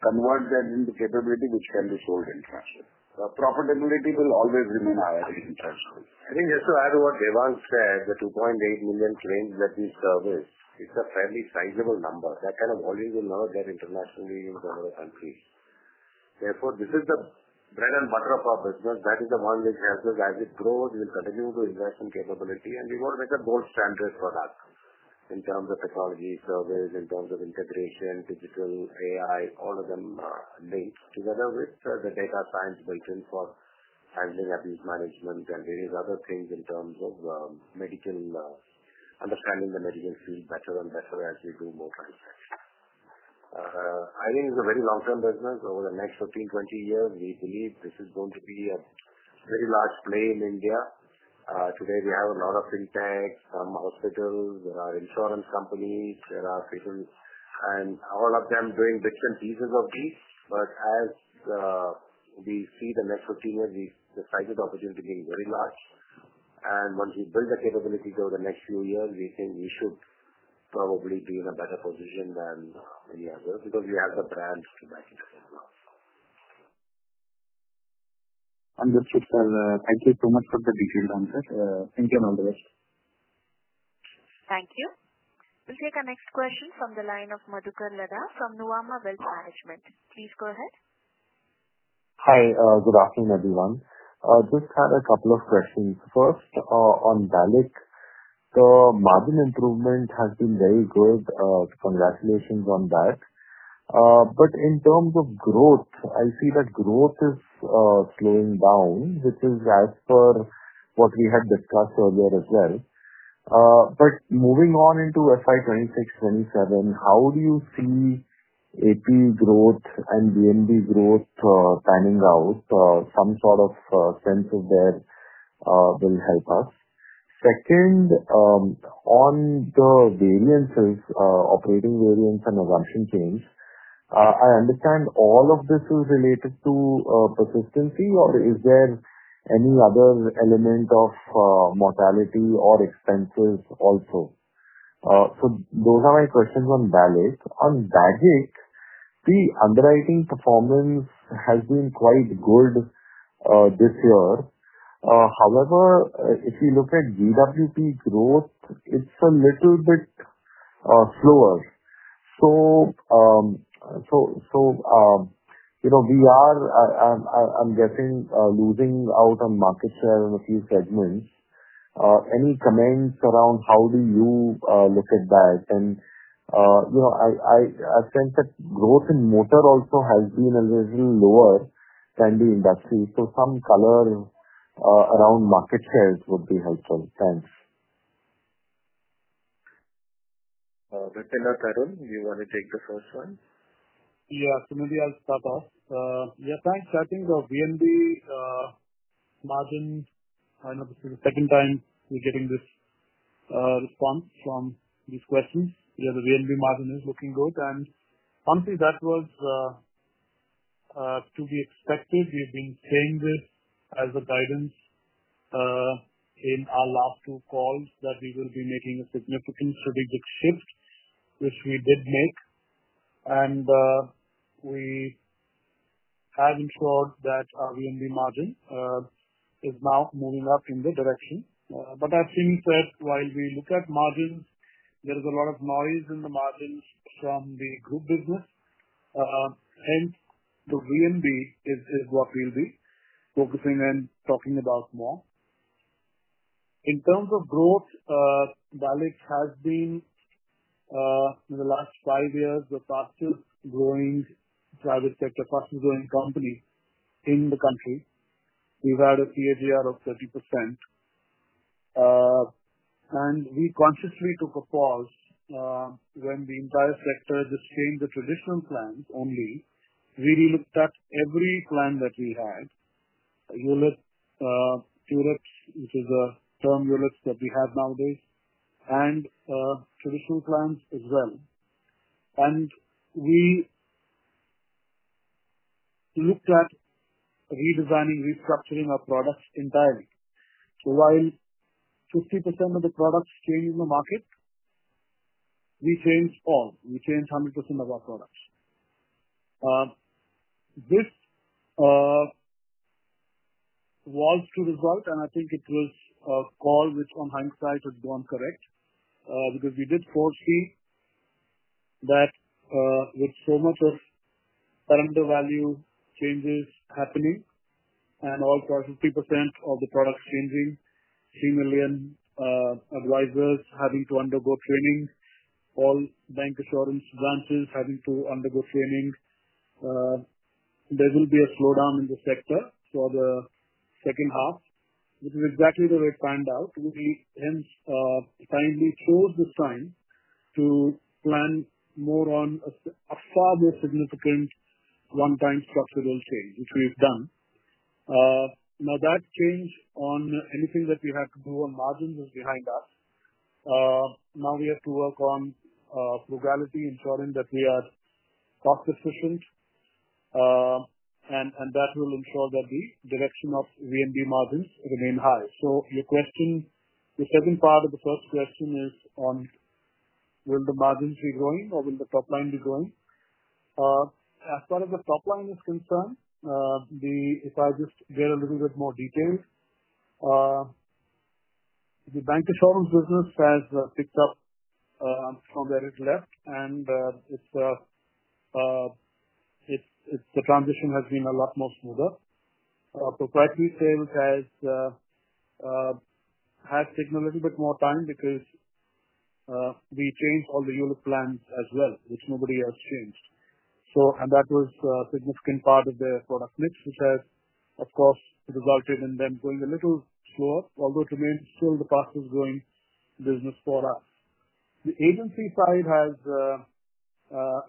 convert that into capability which can be sold internationally. Profitability will always remain higher internationally. I think just to add to what Devang said, the 2.8 million claims that we service, it's a fairly sizable number. That kind of volume will never get internationally in some other countries. Therefore, this is the bread and butter of our business. That is the one which helps us as it grows. We'll continue to invest in capability, and we've got to make a gold standard for that in terms of technology, service, in terms of integration, digital, AI, all of them linked together with the data science built-in for handling abuse management and various other things in terms of medical understanding the medical field better and better as we do more transactions. I think it's a very long-term business. Over the next 15-20 years, we believe this is going to be a very large play in India. Today, we have a lot of fintechs, some hospitals, there are insurance companies, there are patients, and all of them doing bits and pieces of these. As we see the next 15 years, the size of the opportunity being very large. Once we build the capability over the next few years, we think we should probably be in a better position than any other because we have the brand to back it up as well. Understood, sir. Thank you so much for the detailed answer. Thank you and all the best. Thank you. We'll take a next question from the line of Madhukar Lada from Nuvama Wealth Management. Please go ahead. Hi. Good afternoon, everyone. Just had a couple of questions. First, on BALIC, the margin improvement has been very good. Congratulations on that. In terms of growth, I see that growth is slowing down, which is as per what we had discussed earlier as well. Moving on into FY 2026, FY 2027, how do you see AP growth and VNB growth panning out? Some sort of sense of where will help us. Second, on the variances, operating variance and assumption change, I understand all of this is related to persistency, or is there any other element of mortality or expenses also? Those are my questions on BALIC. On BAGIC, the underwriting performance has been quite good this year. However, if you look at GWP growth, it is a little bit slower. I am guessing we are losing out on market share in a few segments. Any comments around how you look at that? I sense that growth in motor also has been a little lower than the industry. Some color around market shares would be helpful. Thanks. Vipin or Tarun, do you want to take the first one? Yeah. Maybe I'll start off. Yeah, thanks. I think the VNB margin, I know this is the second time we're getting this response from these questions. Yeah, the VNB margin is looking good. Honestly, that was to be expected. We've been saying this as a guidance in our last two calls that we will be making a significant strategic shift, which we did make. We have ensured that our VNB margin is now moving up in the direction. I've seen that while we look at margins, there is a lot of noise in the margins from the group business. Hence, the VNB is what we'll be focusing and talking about more. In terms of growth, BALIC has been, in the last five years, the fastest growing private sector, fastest growing company in the country. We've had a CAGR of 30%. We consciously took a pause when the entire sector just changed the traditional plans only. We really looked at every plan that we had, units, which is the term units that we have nowadays, and traditional plans as well. We looked at redesigning, restructuring our products entirely. While 50% of the products changed in the market, we changed all. We changed 100% of our products. This was to result, and I think it was a call which, on hindsight, has gone correct because we did foresee that with so much of parameter value changes happening and all 50% of the products changing, 3 million advisors having to undergo training, all bancassurance branches having to undergo training, there will be a slowdown in the sector for the second half, which is exactly the way it panned out. We hence kindly chose the time to plan more on a far more significant one-time structural change, which we've done. Now, that change on anything that we had to do on margins is behind us. Now we have to work on frugality, ensuring that we are cost-efficient, and that will ensure that the direction of VNB margins remain high. Your question, the second part of the first question is on, will the margins be growing or will the top line be growing? As far as the top line is concerned, if I just get a little bit more detailed, the bancassurance business has picked up from where it left, and the transition has been a lot more smoother. Proprietary sales has taken a little bit more time because we changed all the unit plans as well, which nobody else changed. That was a significant part of their product mix, which has, of course, resulted in them going a little slower, although it remains still the fastest growing business for us. The agency side has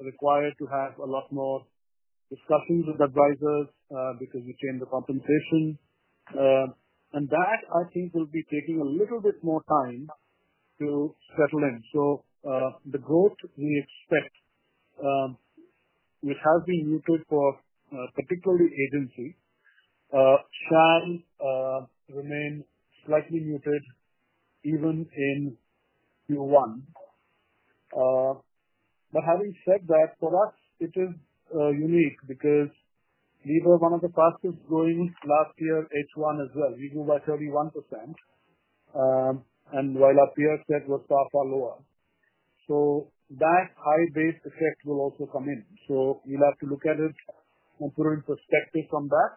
required to have a lot more discussions with advisors because we changed the compensation. That, I think, will be taking a little bit more time to settle in. The growth we expect, which has been muted for particularly agency, shall remain slightly muted even in Q1. Having said that, for us, it is unique because we were one of the fastest-growing last year, H1 as well. We grew by 31%, and while our peers said it was far far lower. That high base effect will also come in. We will have to look at it and put it in perspective from that.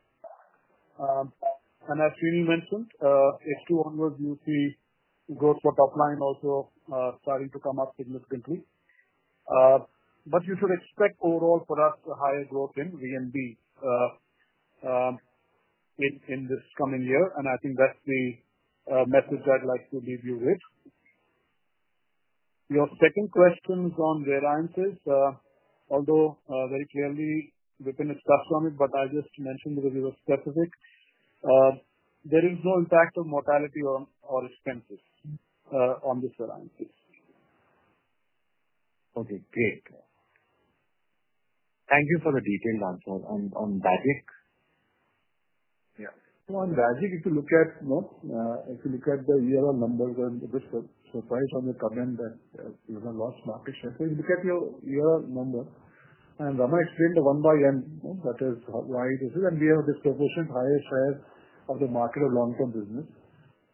As Sreeni mentioned, H2 onwards, you see growth for top line also starting to come up significantly. You should expect overall for us a higher growth in VNB in this coming year. I think that is the message I would like to leave you with. Your second question is on variances. Although very clearly, we can discuss some of it, but I just mentioned because it was specific, there is no impact of mortality or expenses on these variances. Okay. Great. Thank you for the detailed answer. On BAGIC. Yeah. On BAGIC, if you look at, if you look at the year-end numbers and the surprise on the comment that you have lost market share, if you look at your year-end number, and Raman explained the 1/n, that is why this is, and we have this proportion of higher share of the market of long-term business.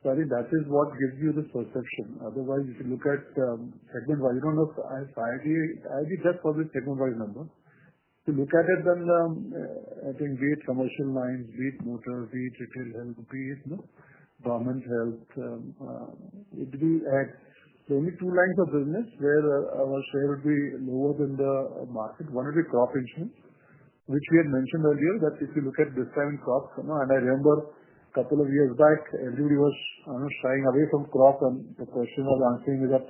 I think that is what gives you the perception. Otherwise, if you look at segment-wise, you do not know if I adjust for the segment-wise number. If you look at it, then I think be it commercial lines, be it motor, be it retail health, be it government health, it would be that the only two lines of business where our share would be lower than the market, one would be crop insurance, which we had mentioned earlier that if you look at this kind of crop, and I remember a couple of years back, everybody was shying away from crop, and the question I was answering is that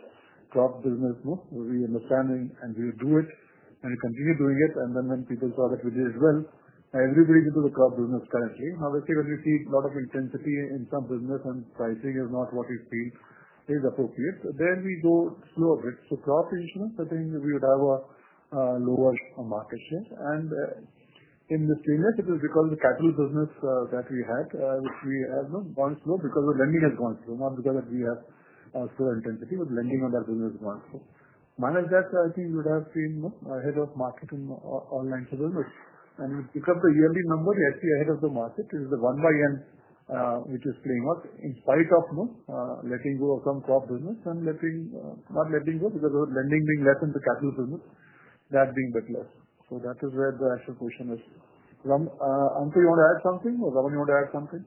crop business, we understand and we will do it, and we continue doing it. Now, when people saw that we did it well, everybody's into the crop business currently. Obviously, when we see a lot of intensity in some business and pricing is not what we feel is appropriate, then we go slow a bit. Crop insurance, I think we would have a lower market share. In this clearness, it is because of the capital business that we had, which we have gone slow because lending has gone slow, not because we have slow intensity, but lending on that business has gone slow. Minus that, I think we would have been ahead of market in all lines of business. If you pick up the yearly number, you are actually ahead of the market. It is the 1/n which is playing out in spite of letting go of some crop business and not letting go because of lending being less and the capital business, that being a bit less. That is where the actual question is. Ankur, you want to add something or Raman, you want to add something?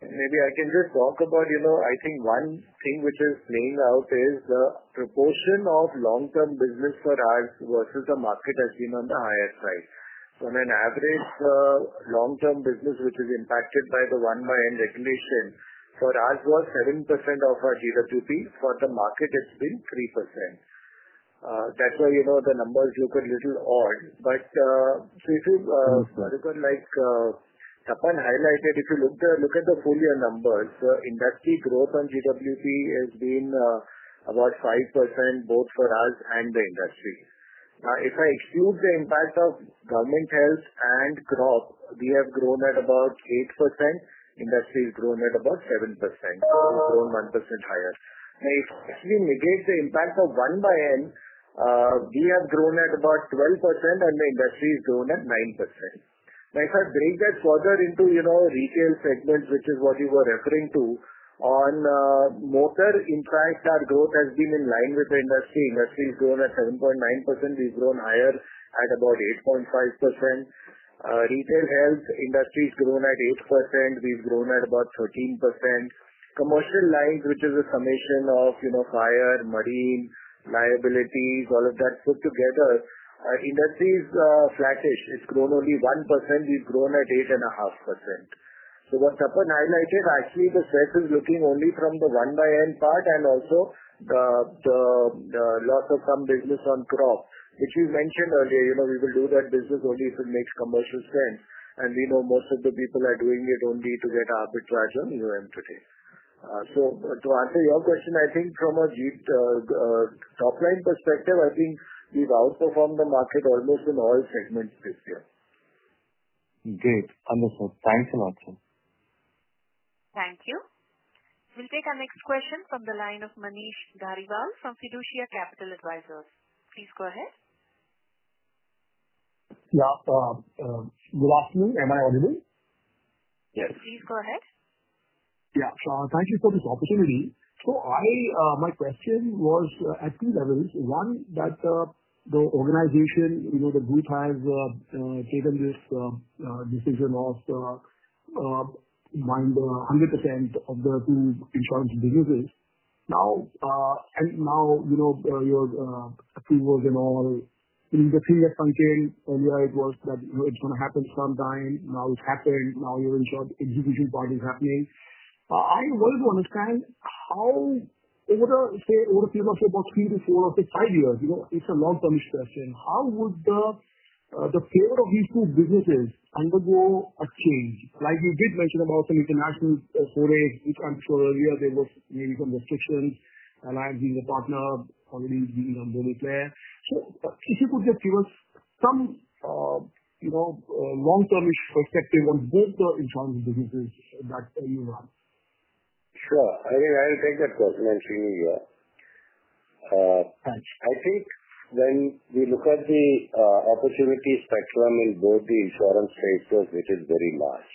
Maybe I can just talk about, I think one thing which is playing out is the proportion of long-term business for us versus the market has been on the higher side. On an average, long-term business, which is impacted by the 1/n regulation, for us was 7% of our GWP. For the market, it's been 3%. That's why the numbers look a little odd. If you look at, like Tapan highlighted, if you look at the full year numbers, the industry growth on GWP has been about 5% both for us and the industry. Now, if I exclude the impact of government health and crop, we have grown at about 8%. Industry has grown at about 7%. We've grown 1% higher. If we negate the impact of 1/n, we have grown at about 12%, and the industry has grown at 9%. Now, if I break that further into retail segments, which is what you were referring to on motor, in fact, our growth has been in line with the industry. Industry has grown at 7.9%. We've grown higher at about 8.5%. Retail health, industry has grown at 8%. We've grown at about 13%. Commercial lines, which is a summation of fire, marine, liabilities, all of that put together, industry is flattish. It's grown only 1%. We've grown at 8.5%. What Tapan highlighted, actually, the sales is looking only from the 1/n part and also the loss of some business on crop, which we mentioned earlier. We will do that business only if it makes commercial sense. We know most of the people are doing it only to get arbitrage on today. To answer your question, I think from a top line perspective, I think we've outperformed the market almost in all segments this year. Great. Understood. Thanks a lot, sir. Thank you. We'll take our next question from the line of Manish Dhariwal from Fiducia Capital Advisors. Please go ahead. Yeah. Good afternoon. Am I audible? Yes. Please go ahead. Yeah. Thank you for this opportunity. My question was at three levels. One, that the organization, the group has taken this decision of buying 100% of the two insurance businesses. Now, and now your approvals and all, the thing that functioned earlier, it was that it's going to happen sometime. Now it's happened. Now your insurance execution part is happening. I wanted to understand how, over the past about three to four or five, it's a long-term question. How would the flavor of these two businesses undergo a change? Like you did mention about some international forays, which I'm sure earlier there was maybe some restrictions. And I am being a partner, already being a bold player. If you could just give us some long-term perspective on both the insurance businesses that you run. Sure. I mean, I'll take that question and see you. Thanks. I think when we look at the opportunity spectrum in both the insurance spaces, it is very large.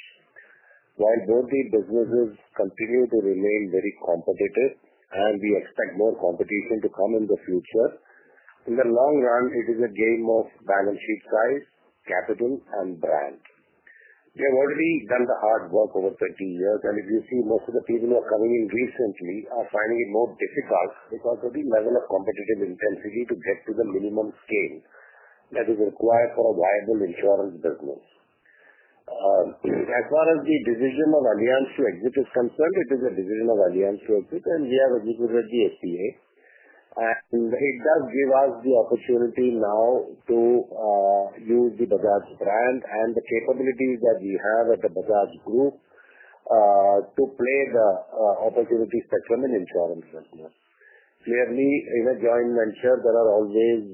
While both the businesses continue to remain very competitive, and we expect more competition to come in the future, in the long run, it is a game of balance sheet size, capital, and brand. We have already done the hard work over 30 years. If you see, most of the people who are coming in recently are finding it more difficult because of the level of competitive intensity to get to the minimum scale that is required for a viable insurance business. As far as the decision of Allianz to exit is concerned, it is a decision of Allianz to exit, and we have executed the FPA. It does give us the opportunity now to use the Bajaj brand and the capabilities that we have at the Bajaj group to play the opportunity spectrum in insurance business. Clearly, in a joint venture, there are always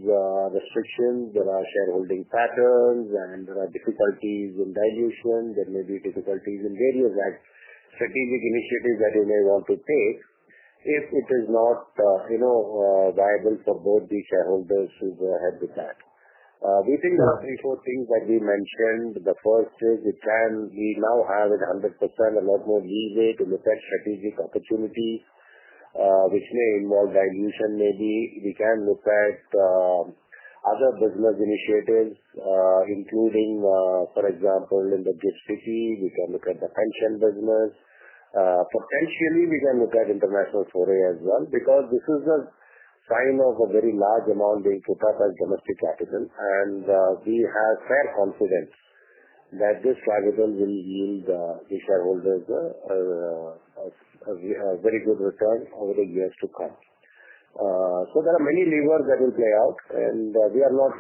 restrictions. There are shareholding patterns, and there are difficulties in dilution. There may be difficulties in various strategic initiatives that you may want to take if it is not viable for both the shareholders who are headed back. We think there are three, four things that we mentioned. The first is we now have at 100% a lot more leeway to look at strategic opportunities, which may involve dilution maybe. We can look at other business initiatives, including, for example, in the GIFT City, we can look at the pension business. Potentially, we can look at international foray as well because this is a sign of a very large amount being put up as domestic capital. We have fair confidence that this capital will yield the shareholders a very good return over the years to come. There are many levers that will play out, and we are not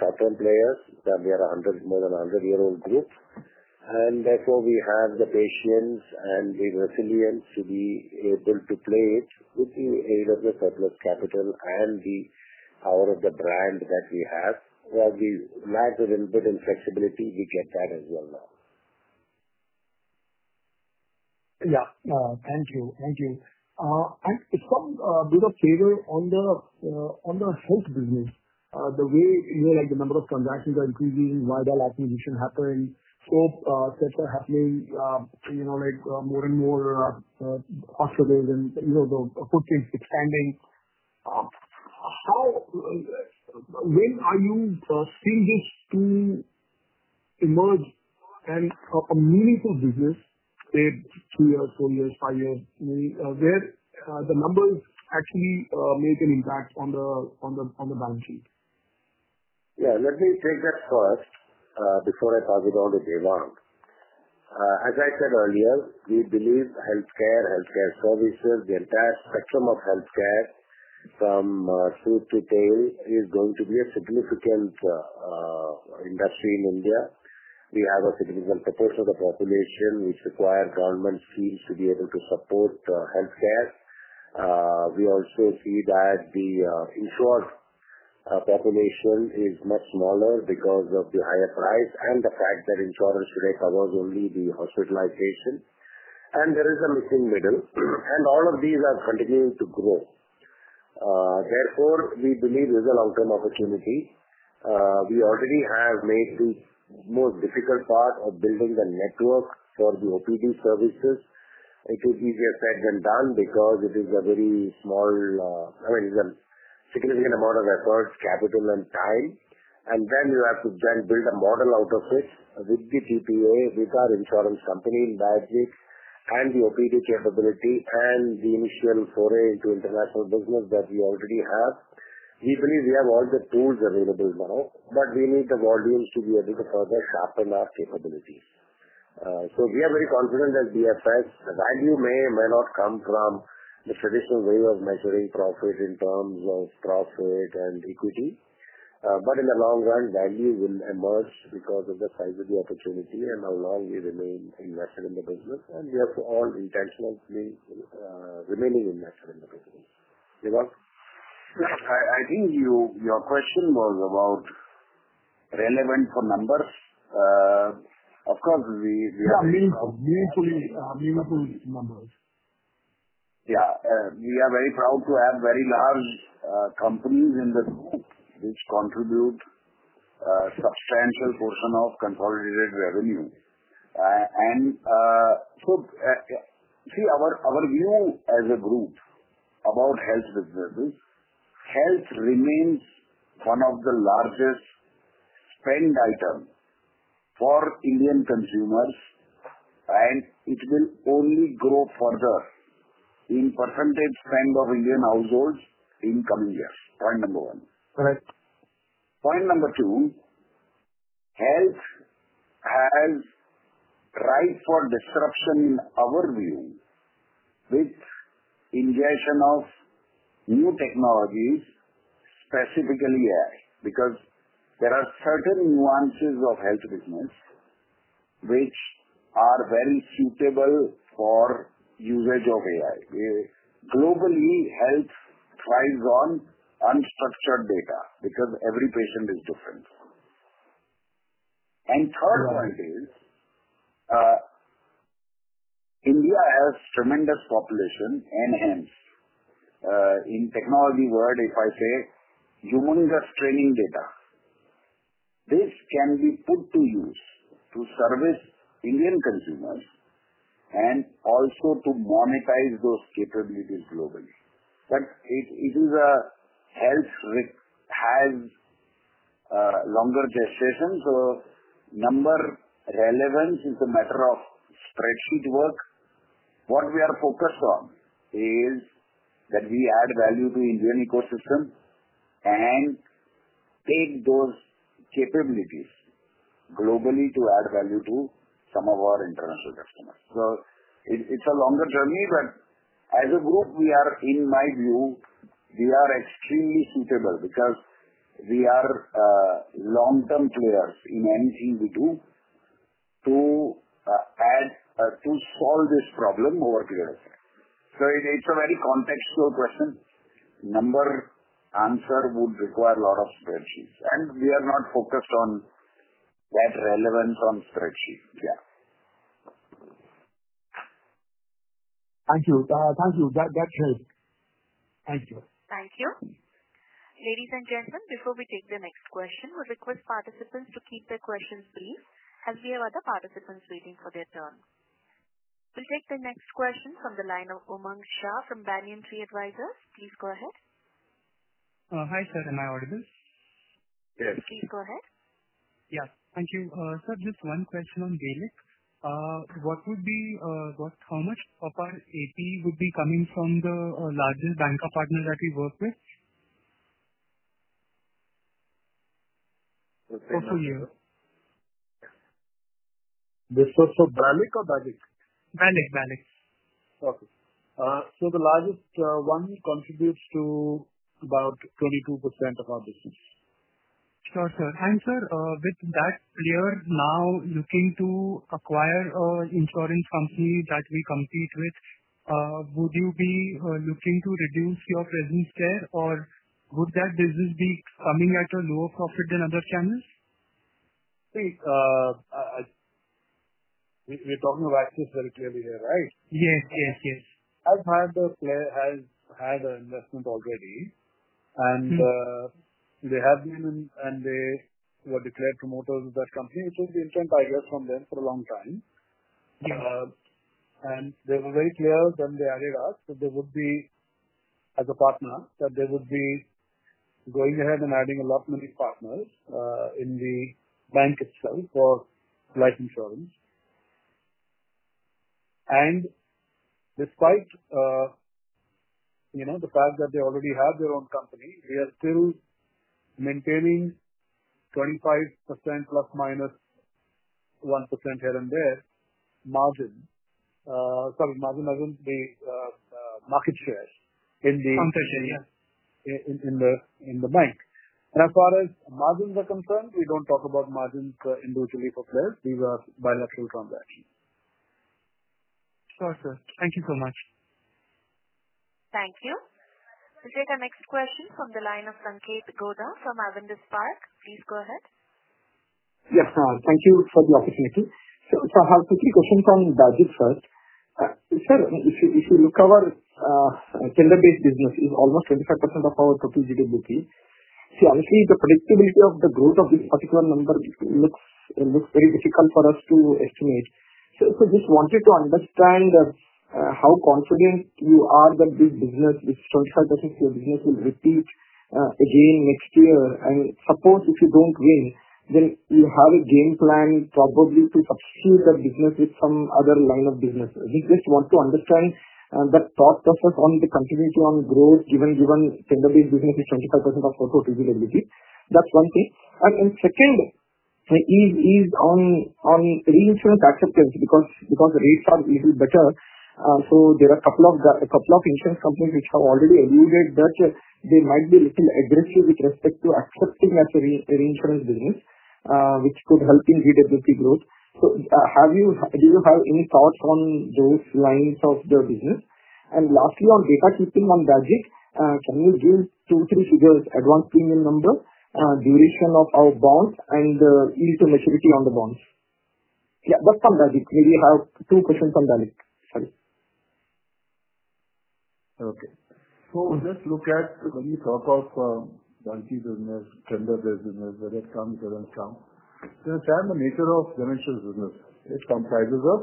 short-term players. We are more than a 100-year-old group. Therefore, we have the patience and the resilience to be able to play it with the capital and the power of the brand that we have. While we lag a little bit in flexibility, we get that as well now. Yeah. Thank you. Thank you. And some bit of favor on the health business. The way the number of transactions are increasing, Vital acquisition happened, scope sets are happening, more and more hospitals and the footprint expanding. When are you seeing this to emerge and a meaningful business, say, three years, four years, five years, where the numbers actually make an impact on the balance sheet? Yeah. Let me take that first before I pass it on to Devang. As I said earlier, we believe healthcare, healthcare services, the entire spectrum of healthcare from tooth to tail is going to be a significant industry in India. We have a significant proportion of the population which requires government schemes to be able to support healthcare. We also see that the insured population is much smaller because of the higher price and the fact that insurance today covers only the hospitalization. There is a missing middle. All of these are continuing to grow. Therefore, we believe there's a long-term opportunity. We already have made the most difficult part of building the network for the OPD services. It is easier said than done because it is a very small, I mean, it's a significant amount of effort, capital, and time. You have to then build a model out of it with the GPA, with our insurance company in BAGIC, and the OPD capability, and the initial foray into international business that we already have. We believe we have all the tools available now, but we need the volumes to be able to further sharpen our capabilities. We are very confident that BFS value may or may not come from the traditional way of measuring profit in terms of profit and equity. In the long run, value will emerge because of the size of the opportunity and how long we remain invested in the business. We are all intentional to be remaining invested in the business. Devang. I think your question was about relevant for numbers. Of course, we have meaningful numbers. Yeah. We are very proud to have very large companies in the group which contribute a substantial portion of consolidated revenue. See, our view as a group about health businesses, health remains one of the largest spend items for Indian consumers, and it will only grow further in percentage spend of Indian households in coming years. Point number one. Correct. Point number two, health is ripe for disruption in our view with ingestion of new technologies, specifically AI, because there are certain nuances of health business which are very suitable for usage of AI. Globally, health thrives on unstructured data because every patient is different. Third point is India has tremendous population enhanced. In technology world, if I say humongous training data, this can be put to use to service Indian consumers and also to monetize those capabilities globally. It is a health has longer gestation. Number relevance is a matter of spreadsheet work. What we are focused on is that we add value to Indian ecosystem and take those capabilities globally to add value to some of our international customers. It is a longer journey, but as a group, we are, in my view, we are extremely suitable because we are long-term players in anything we do to solve this problem over a period of time. It is a very contextual question. Number answer would require a lot of spreadsheets. We are not focused on that relevance on spreadsheet. Yeah. Thank you. Thank you. That helps. Thank you. Thank you. Ladies and gentlemen, before we take the next question, we request participants to keep their questions brief as we have other participants waiting for their turn. We will take the next question from the line of Umang Shah from Banyan Tree Advisors. Please go ahead. Hi, sir. Am I audible? Yes. Please go ahead. Yeah. Thank you. Sir, just one question on BALIC. What would be how much of our AP would be coming from the largest bancassurance partner that we work with? Per year. This was for BALIC or BAGIC? BALIC. BALIC. Okay. The largest one contributes to about 22% of our business. Sure, sir. Sir, with that player now looking to acquire an insurance company that we compete with, would you be looking to reduce your presence there, or would that business be coming at a lower profit than other channels? We are talking about this very clearly here, right? Yes. Yes. Yes. That player has had an investment already, and they have been and they were declared promoters of that company. It was the intent, I guess, from them for a long time. They were very clear when they added us that they would be as a partner, that they would be going ahead and adding a lot many partners in the bank itself for life insurance. Despite the fact that they already have their own company, we are still maintaining 25% ±1% here and there margin. Sorry, margin as in the market shares in the—understood—yeah—in the bank. As far as margins are concerned, we do not talk about margins individually for players. These are bilateral transactions. Sure, sir. Thank you so much. Thank you. We will take our next question from the line of Sanketh Goda from Avendus Spark. Please go ahead. Yes. Thank you for the opportunity. I have quickly a question from BAGIC first. Sir, if you look at our tender-based business, it is almost 25% of our total GDP. See, obviously, the predictability of the growth of this particular number looks very difficult for us to estimate. I just wanted to understand how confident you are that this business, this 25% of your business, will repeat again next year. Suppose if you don't win, then you have a game plan probably to substitute that business with some other line of businesses. We just want to understand that thought process on the continuity on growth, given tender-based business is 25% of total profitability. That's one thing. Second is on reinsurance acceptance because rates are a little better. There are a couple of insurance companies which have already alluded that they might be a little aggressive with respect to accepting as a reinsurance business, which could help in GWP growth. Do you have any thoughts on those lines of the business? Lastly, on data keeping on BAGIC, can you give two, three figures? Advance premium number, duration of our bonds, and yield to maturity on the bonds. Yeah. That is from BAGIC. Maybe I have two questions from BALIC. Sorry. Just look at when you talk of bulky business or tender-based business, whether it comes here and come, you understand the nature of general business. It comprises of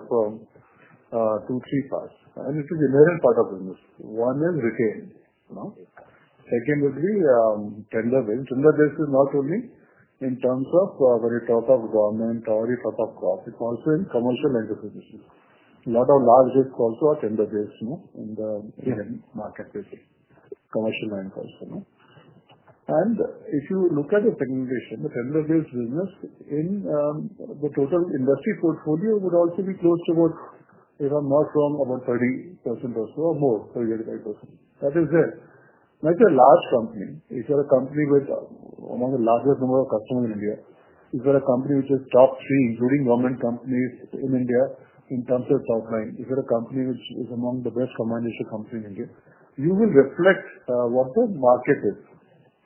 two, three parts. It is the inherent part of the business. One is retain. Second would be tender-based. Tender-based is not only in terms of when you talk of government or you talk of corporate, also in commercial enterprises. A lot of large risks also are tender-based in the marketplace. Commercial lines also. If you look at the segmentation, the tender-based business in the total industry portfolio would also be close to about, if I'm not wrong, about 30% or so, or more, 30-35%. That is there. Now, if you're a large company, if you're a company with one of the largest number of customers in India, if you're a company which is top three, including government companies in India in terms of top line, if you're a company which is among the best command-issued companies in India, you will reflect what the market is.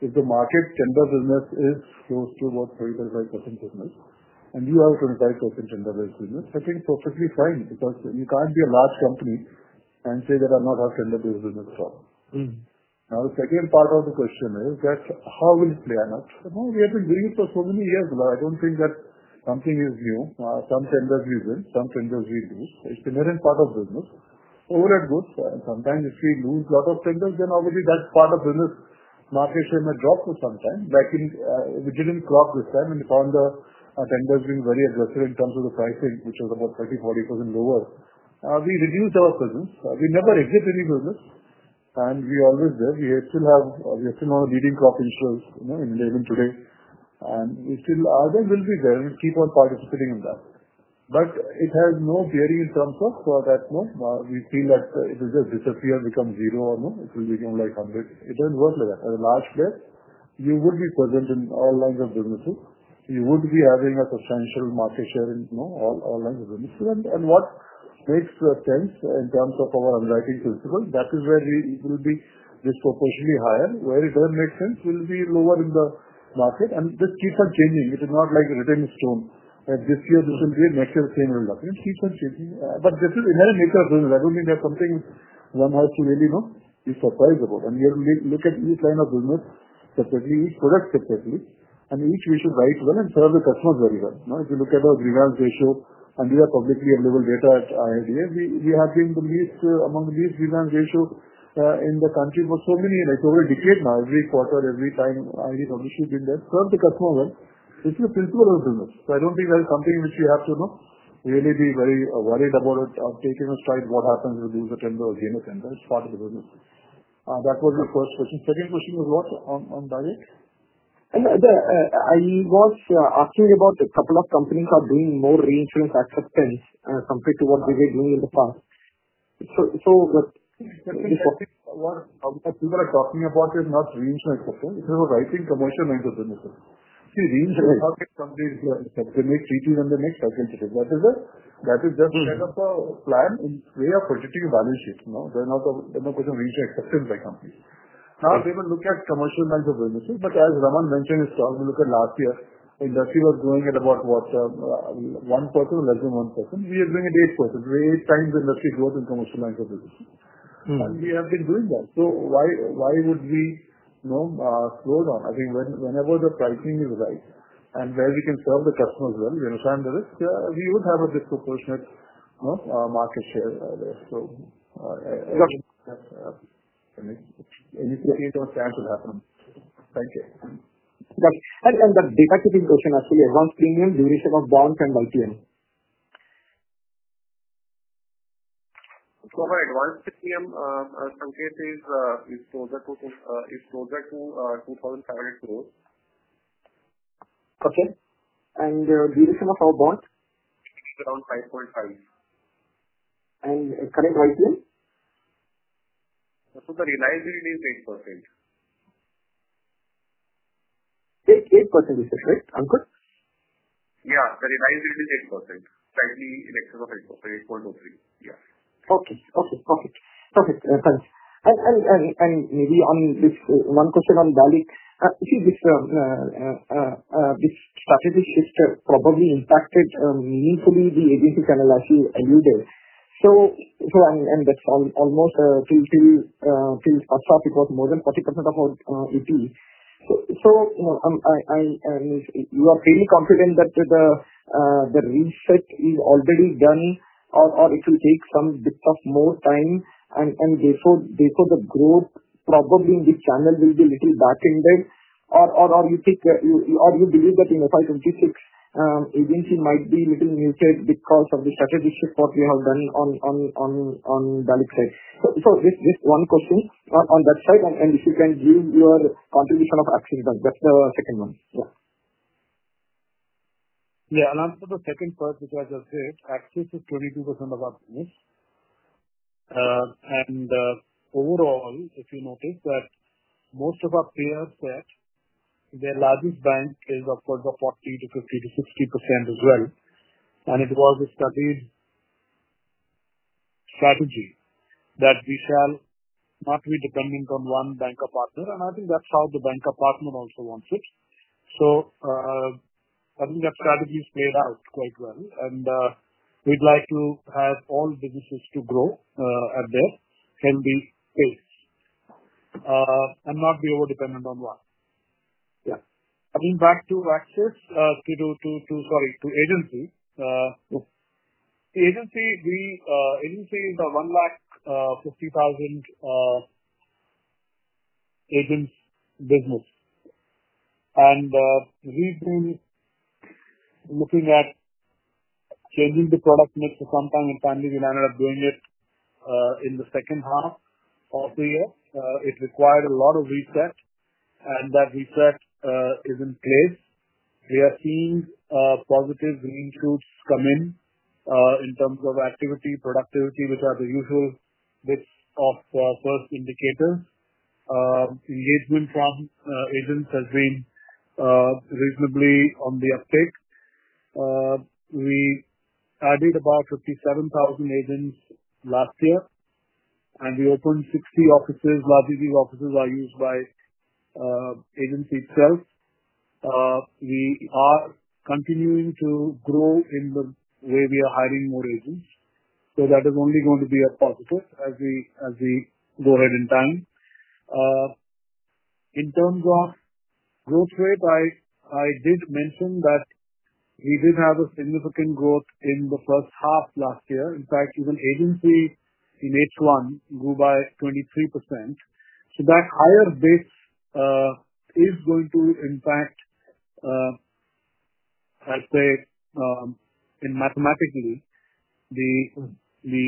If the market tender-based business is close to about 30%-35% business, and you have a 25% tender-based business, I think perfectly fine because you can't be a large company and say that I'm not a tender-based business at all. The second part of the question is that how will it play out? We have been doing it for so many years. I don't think that something is new. Some tenders we win, some tenders we lose. It's the inherent part of business. Overall, it goes. Sometimes if we lose a lot of tenders, then obviously that part of business market share may drop for some time. We didn't clock this time, and we found the tenders being very aggressive in terms of the pricing, which was about 30%-40% lower. We reduced our presence. We never exit any business, and we are always there. We still have a leading crop insurance in labor today. We still are there, will be there, and we keep on participating in that. It has no bearing in terms of that we feel that it will just disappear, become zero, or it will become like 100. It doesn't work like that. As a large player, you would be present in all lines of businesses. You would be having a substantial market share in all lines of businesses. What makes sense in terms of our underwriting principle, that is where it will be disproportionately higher. Where it doesn't make sense, we'll be lower in the market. This keeps on changing. It is not like a retained stone. This year, this will be it. Next year, the same result. It keeps on changing. This is the inherent nature of business. I don't think there's something one has to really be surprised about. We have looked at each line of business separately, each product separately, and each we should write well and serve the customers very well. If you look at our rebalance ratio and we have publicly available data at IRDA, we have been among the least rebalance ratios in the country for so many years. It's over a decade now. Every quarter, every time, IRDA publishes in there, "Serve the customer well." This is a principle of business. I don't think there's something which we have to really be very worried about taking a stride what happens if we lose a tender or gain a tender. It's part of the business. That was the first question. Second question was what on BALIC? I was asking about a couple of companies are doing more reinsurance acceptance compared to what they were doing in the past. The second question. What people are talking about is not reinsurance acceptance. This is a right-wing commercial line of businesses. See, reinsurance companies, they make treaties and they make circumstances. That is just kind of a plan in way of projecting a balance sheet. There is no question of reinsurance acceptance by companies. Now, if we even look at commercial lines of businesses, as Ramandeep mentioned in his talk, we look at last year, industry was going at about what? One percent, less than one percent. We are going at 8%. We are 8x the industry growth in commercial lines of business. We have been doing that. Why would we slow down? I think whenever the pricing is right and where we can serve the customers well, we understand the risk, we would have a disproportionate market share there. If anything substantial happens. Thank you. The data keeping question, actually, advance premium, duration of bonds, and IPM. For advance premium, Sanketh is closer to INR 2,500 crore. Okay. And duration of our bond? It is around 5.5. And current IPM? So the reliability is 8%. 8% is it, right? Ankur? Yeah. The reliability is 8%. Slightly in excess of 8%, 8.03%. Yeah. Okay. Okay. Okay. Perfect. Thanks. Maybe one question on BALIC. See, this strategy shift probably impacted meaningfully the agency channel as you alluded. That is almost till first half, it was more than 40% of our EP. You are fairly confident that the reset is already done, or it will take some bits of more time, and therefore the growth probably in this channel will be a little back-ended, or you believe that in FY 2026, agency might be a little muted because of the strategy shift what we have done on Balix side. This. One question on that side, and if you can give your contribution of Axis Bank. That's the second one. Yeah. As for the second part, which I just said, Axis is 22% of our business. Overall, if you notice that most of our players said their largest bank is, of course, 40%-50%-60% as well. It was a studied strategy that we shall not be dependent on one bancassurance partner. I think that's how the bancassurance partner also wants it. I think that strategy has played out quite well. We'd like to have all businesses grow at their healthy pace and not be over-dependent on one. Yeah. Coming back to Axis, sorry, to agency. Agency is a 150,000 agents business. We've been looking at changing the product mix for some time, and finally, we landed up doing it in the second half of the year. It required a lot of reset, and that reset is in place. We are seeing positive green shoots come in in terms of activity, productivity, which are the usual bits of first indicators. Engagement from agents has been reasonably on the uptake. We added about 57,000 agents last year, and we opened 60 offices. Largely, these offices are used by agency itself. We are continuing to grow in the way we are hiring more agents. That is only going to be a positive as we go ahead in time. In terms of growth rate, I did mention that we did have a significant growth in the first half last year. In fact, even agency in H1 grew by 23%. That higher base is going to impact, I'd say, mathematically, the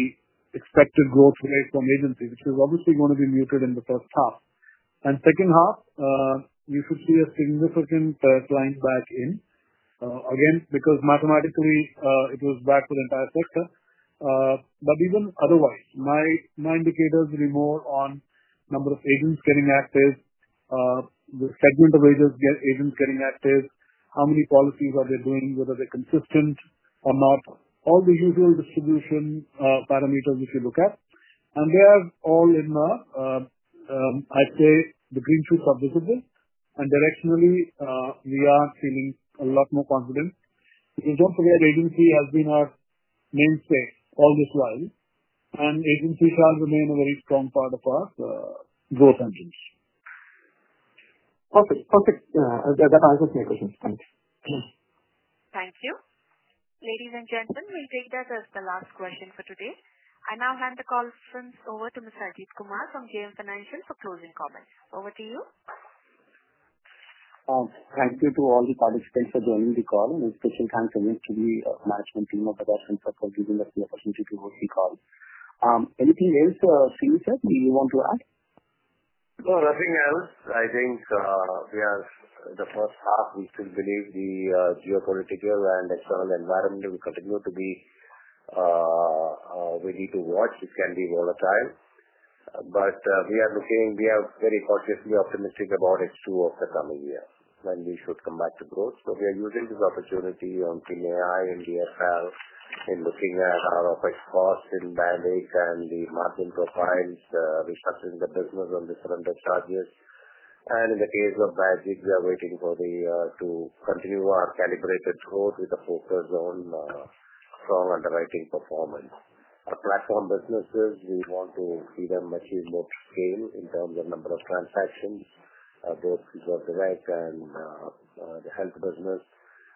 expected growth rate from agency, which is obviously going to be muted in the first half. Second half, we should see a significant client back in. Again, because mathematically, it was back for the entire sector. Even otherwise, my indicators will be more on number of agents getting active, the segment of agents getting active, how many policies are they doing, whether they're consistent or not, all the usual distribution parameters which we look at. They are all in the, I'd say, the green shoots are visible. Directionally, we are feeling a lot more confident. Because don't forget, agency has been our mainstay all this while, and agency shall remain a very strong part of our growth engines. Perfect. Perfect. That answers my question. Thanks. Thank you. Ladies and gentlemen, we'll take that as the last question for today. I now hand the call over to Mr. Arjit Kumar from JM Financial for closing comments. Over to you. Thank you to all the participants for joining the call. It was a special time for me to be a management team of Bajaj Finserv for giving us the opportunity to host the call. Anything else Sreeni Sir you said you want to add? No, nothing else. I think we are in the first half. We still believe the geopolitical and external environment will continue to be ready to watch. It can be volatile. But we are looking very cautiously optimistic about H2 of the coming year when we should come back to growth. We are using this opportunity on Team AI and BFL in looking at our OpEx cost in Band-Aid and the margin profiles, restructuring the business on different charges. In the case of BAGIC, we are waiting to continue our calibrated growth with a focus on strong underwriting performance. Our platform businesses, we want to see them achieve more scale in terms of number of transactions, both direct and the health business.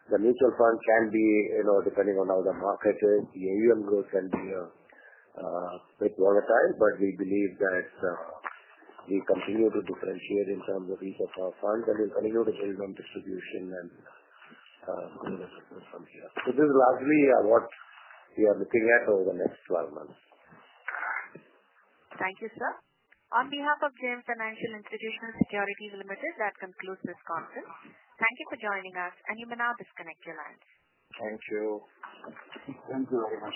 The mutual fund can be, depending on how the market is, the AUM growth can be a bit volatile, but we believe that we continue to differentiate in terms of each of our funds, and we'll continue to build on distribution and grow the business from here. This is largely what we are looking at over the next 12 months. Thank you, sir. On behalf of JM Financial Institutional Securities Limited, that concludes this conference. Thank you for joining us, and you may now disconnect your lines. Thank you. Thank you very much.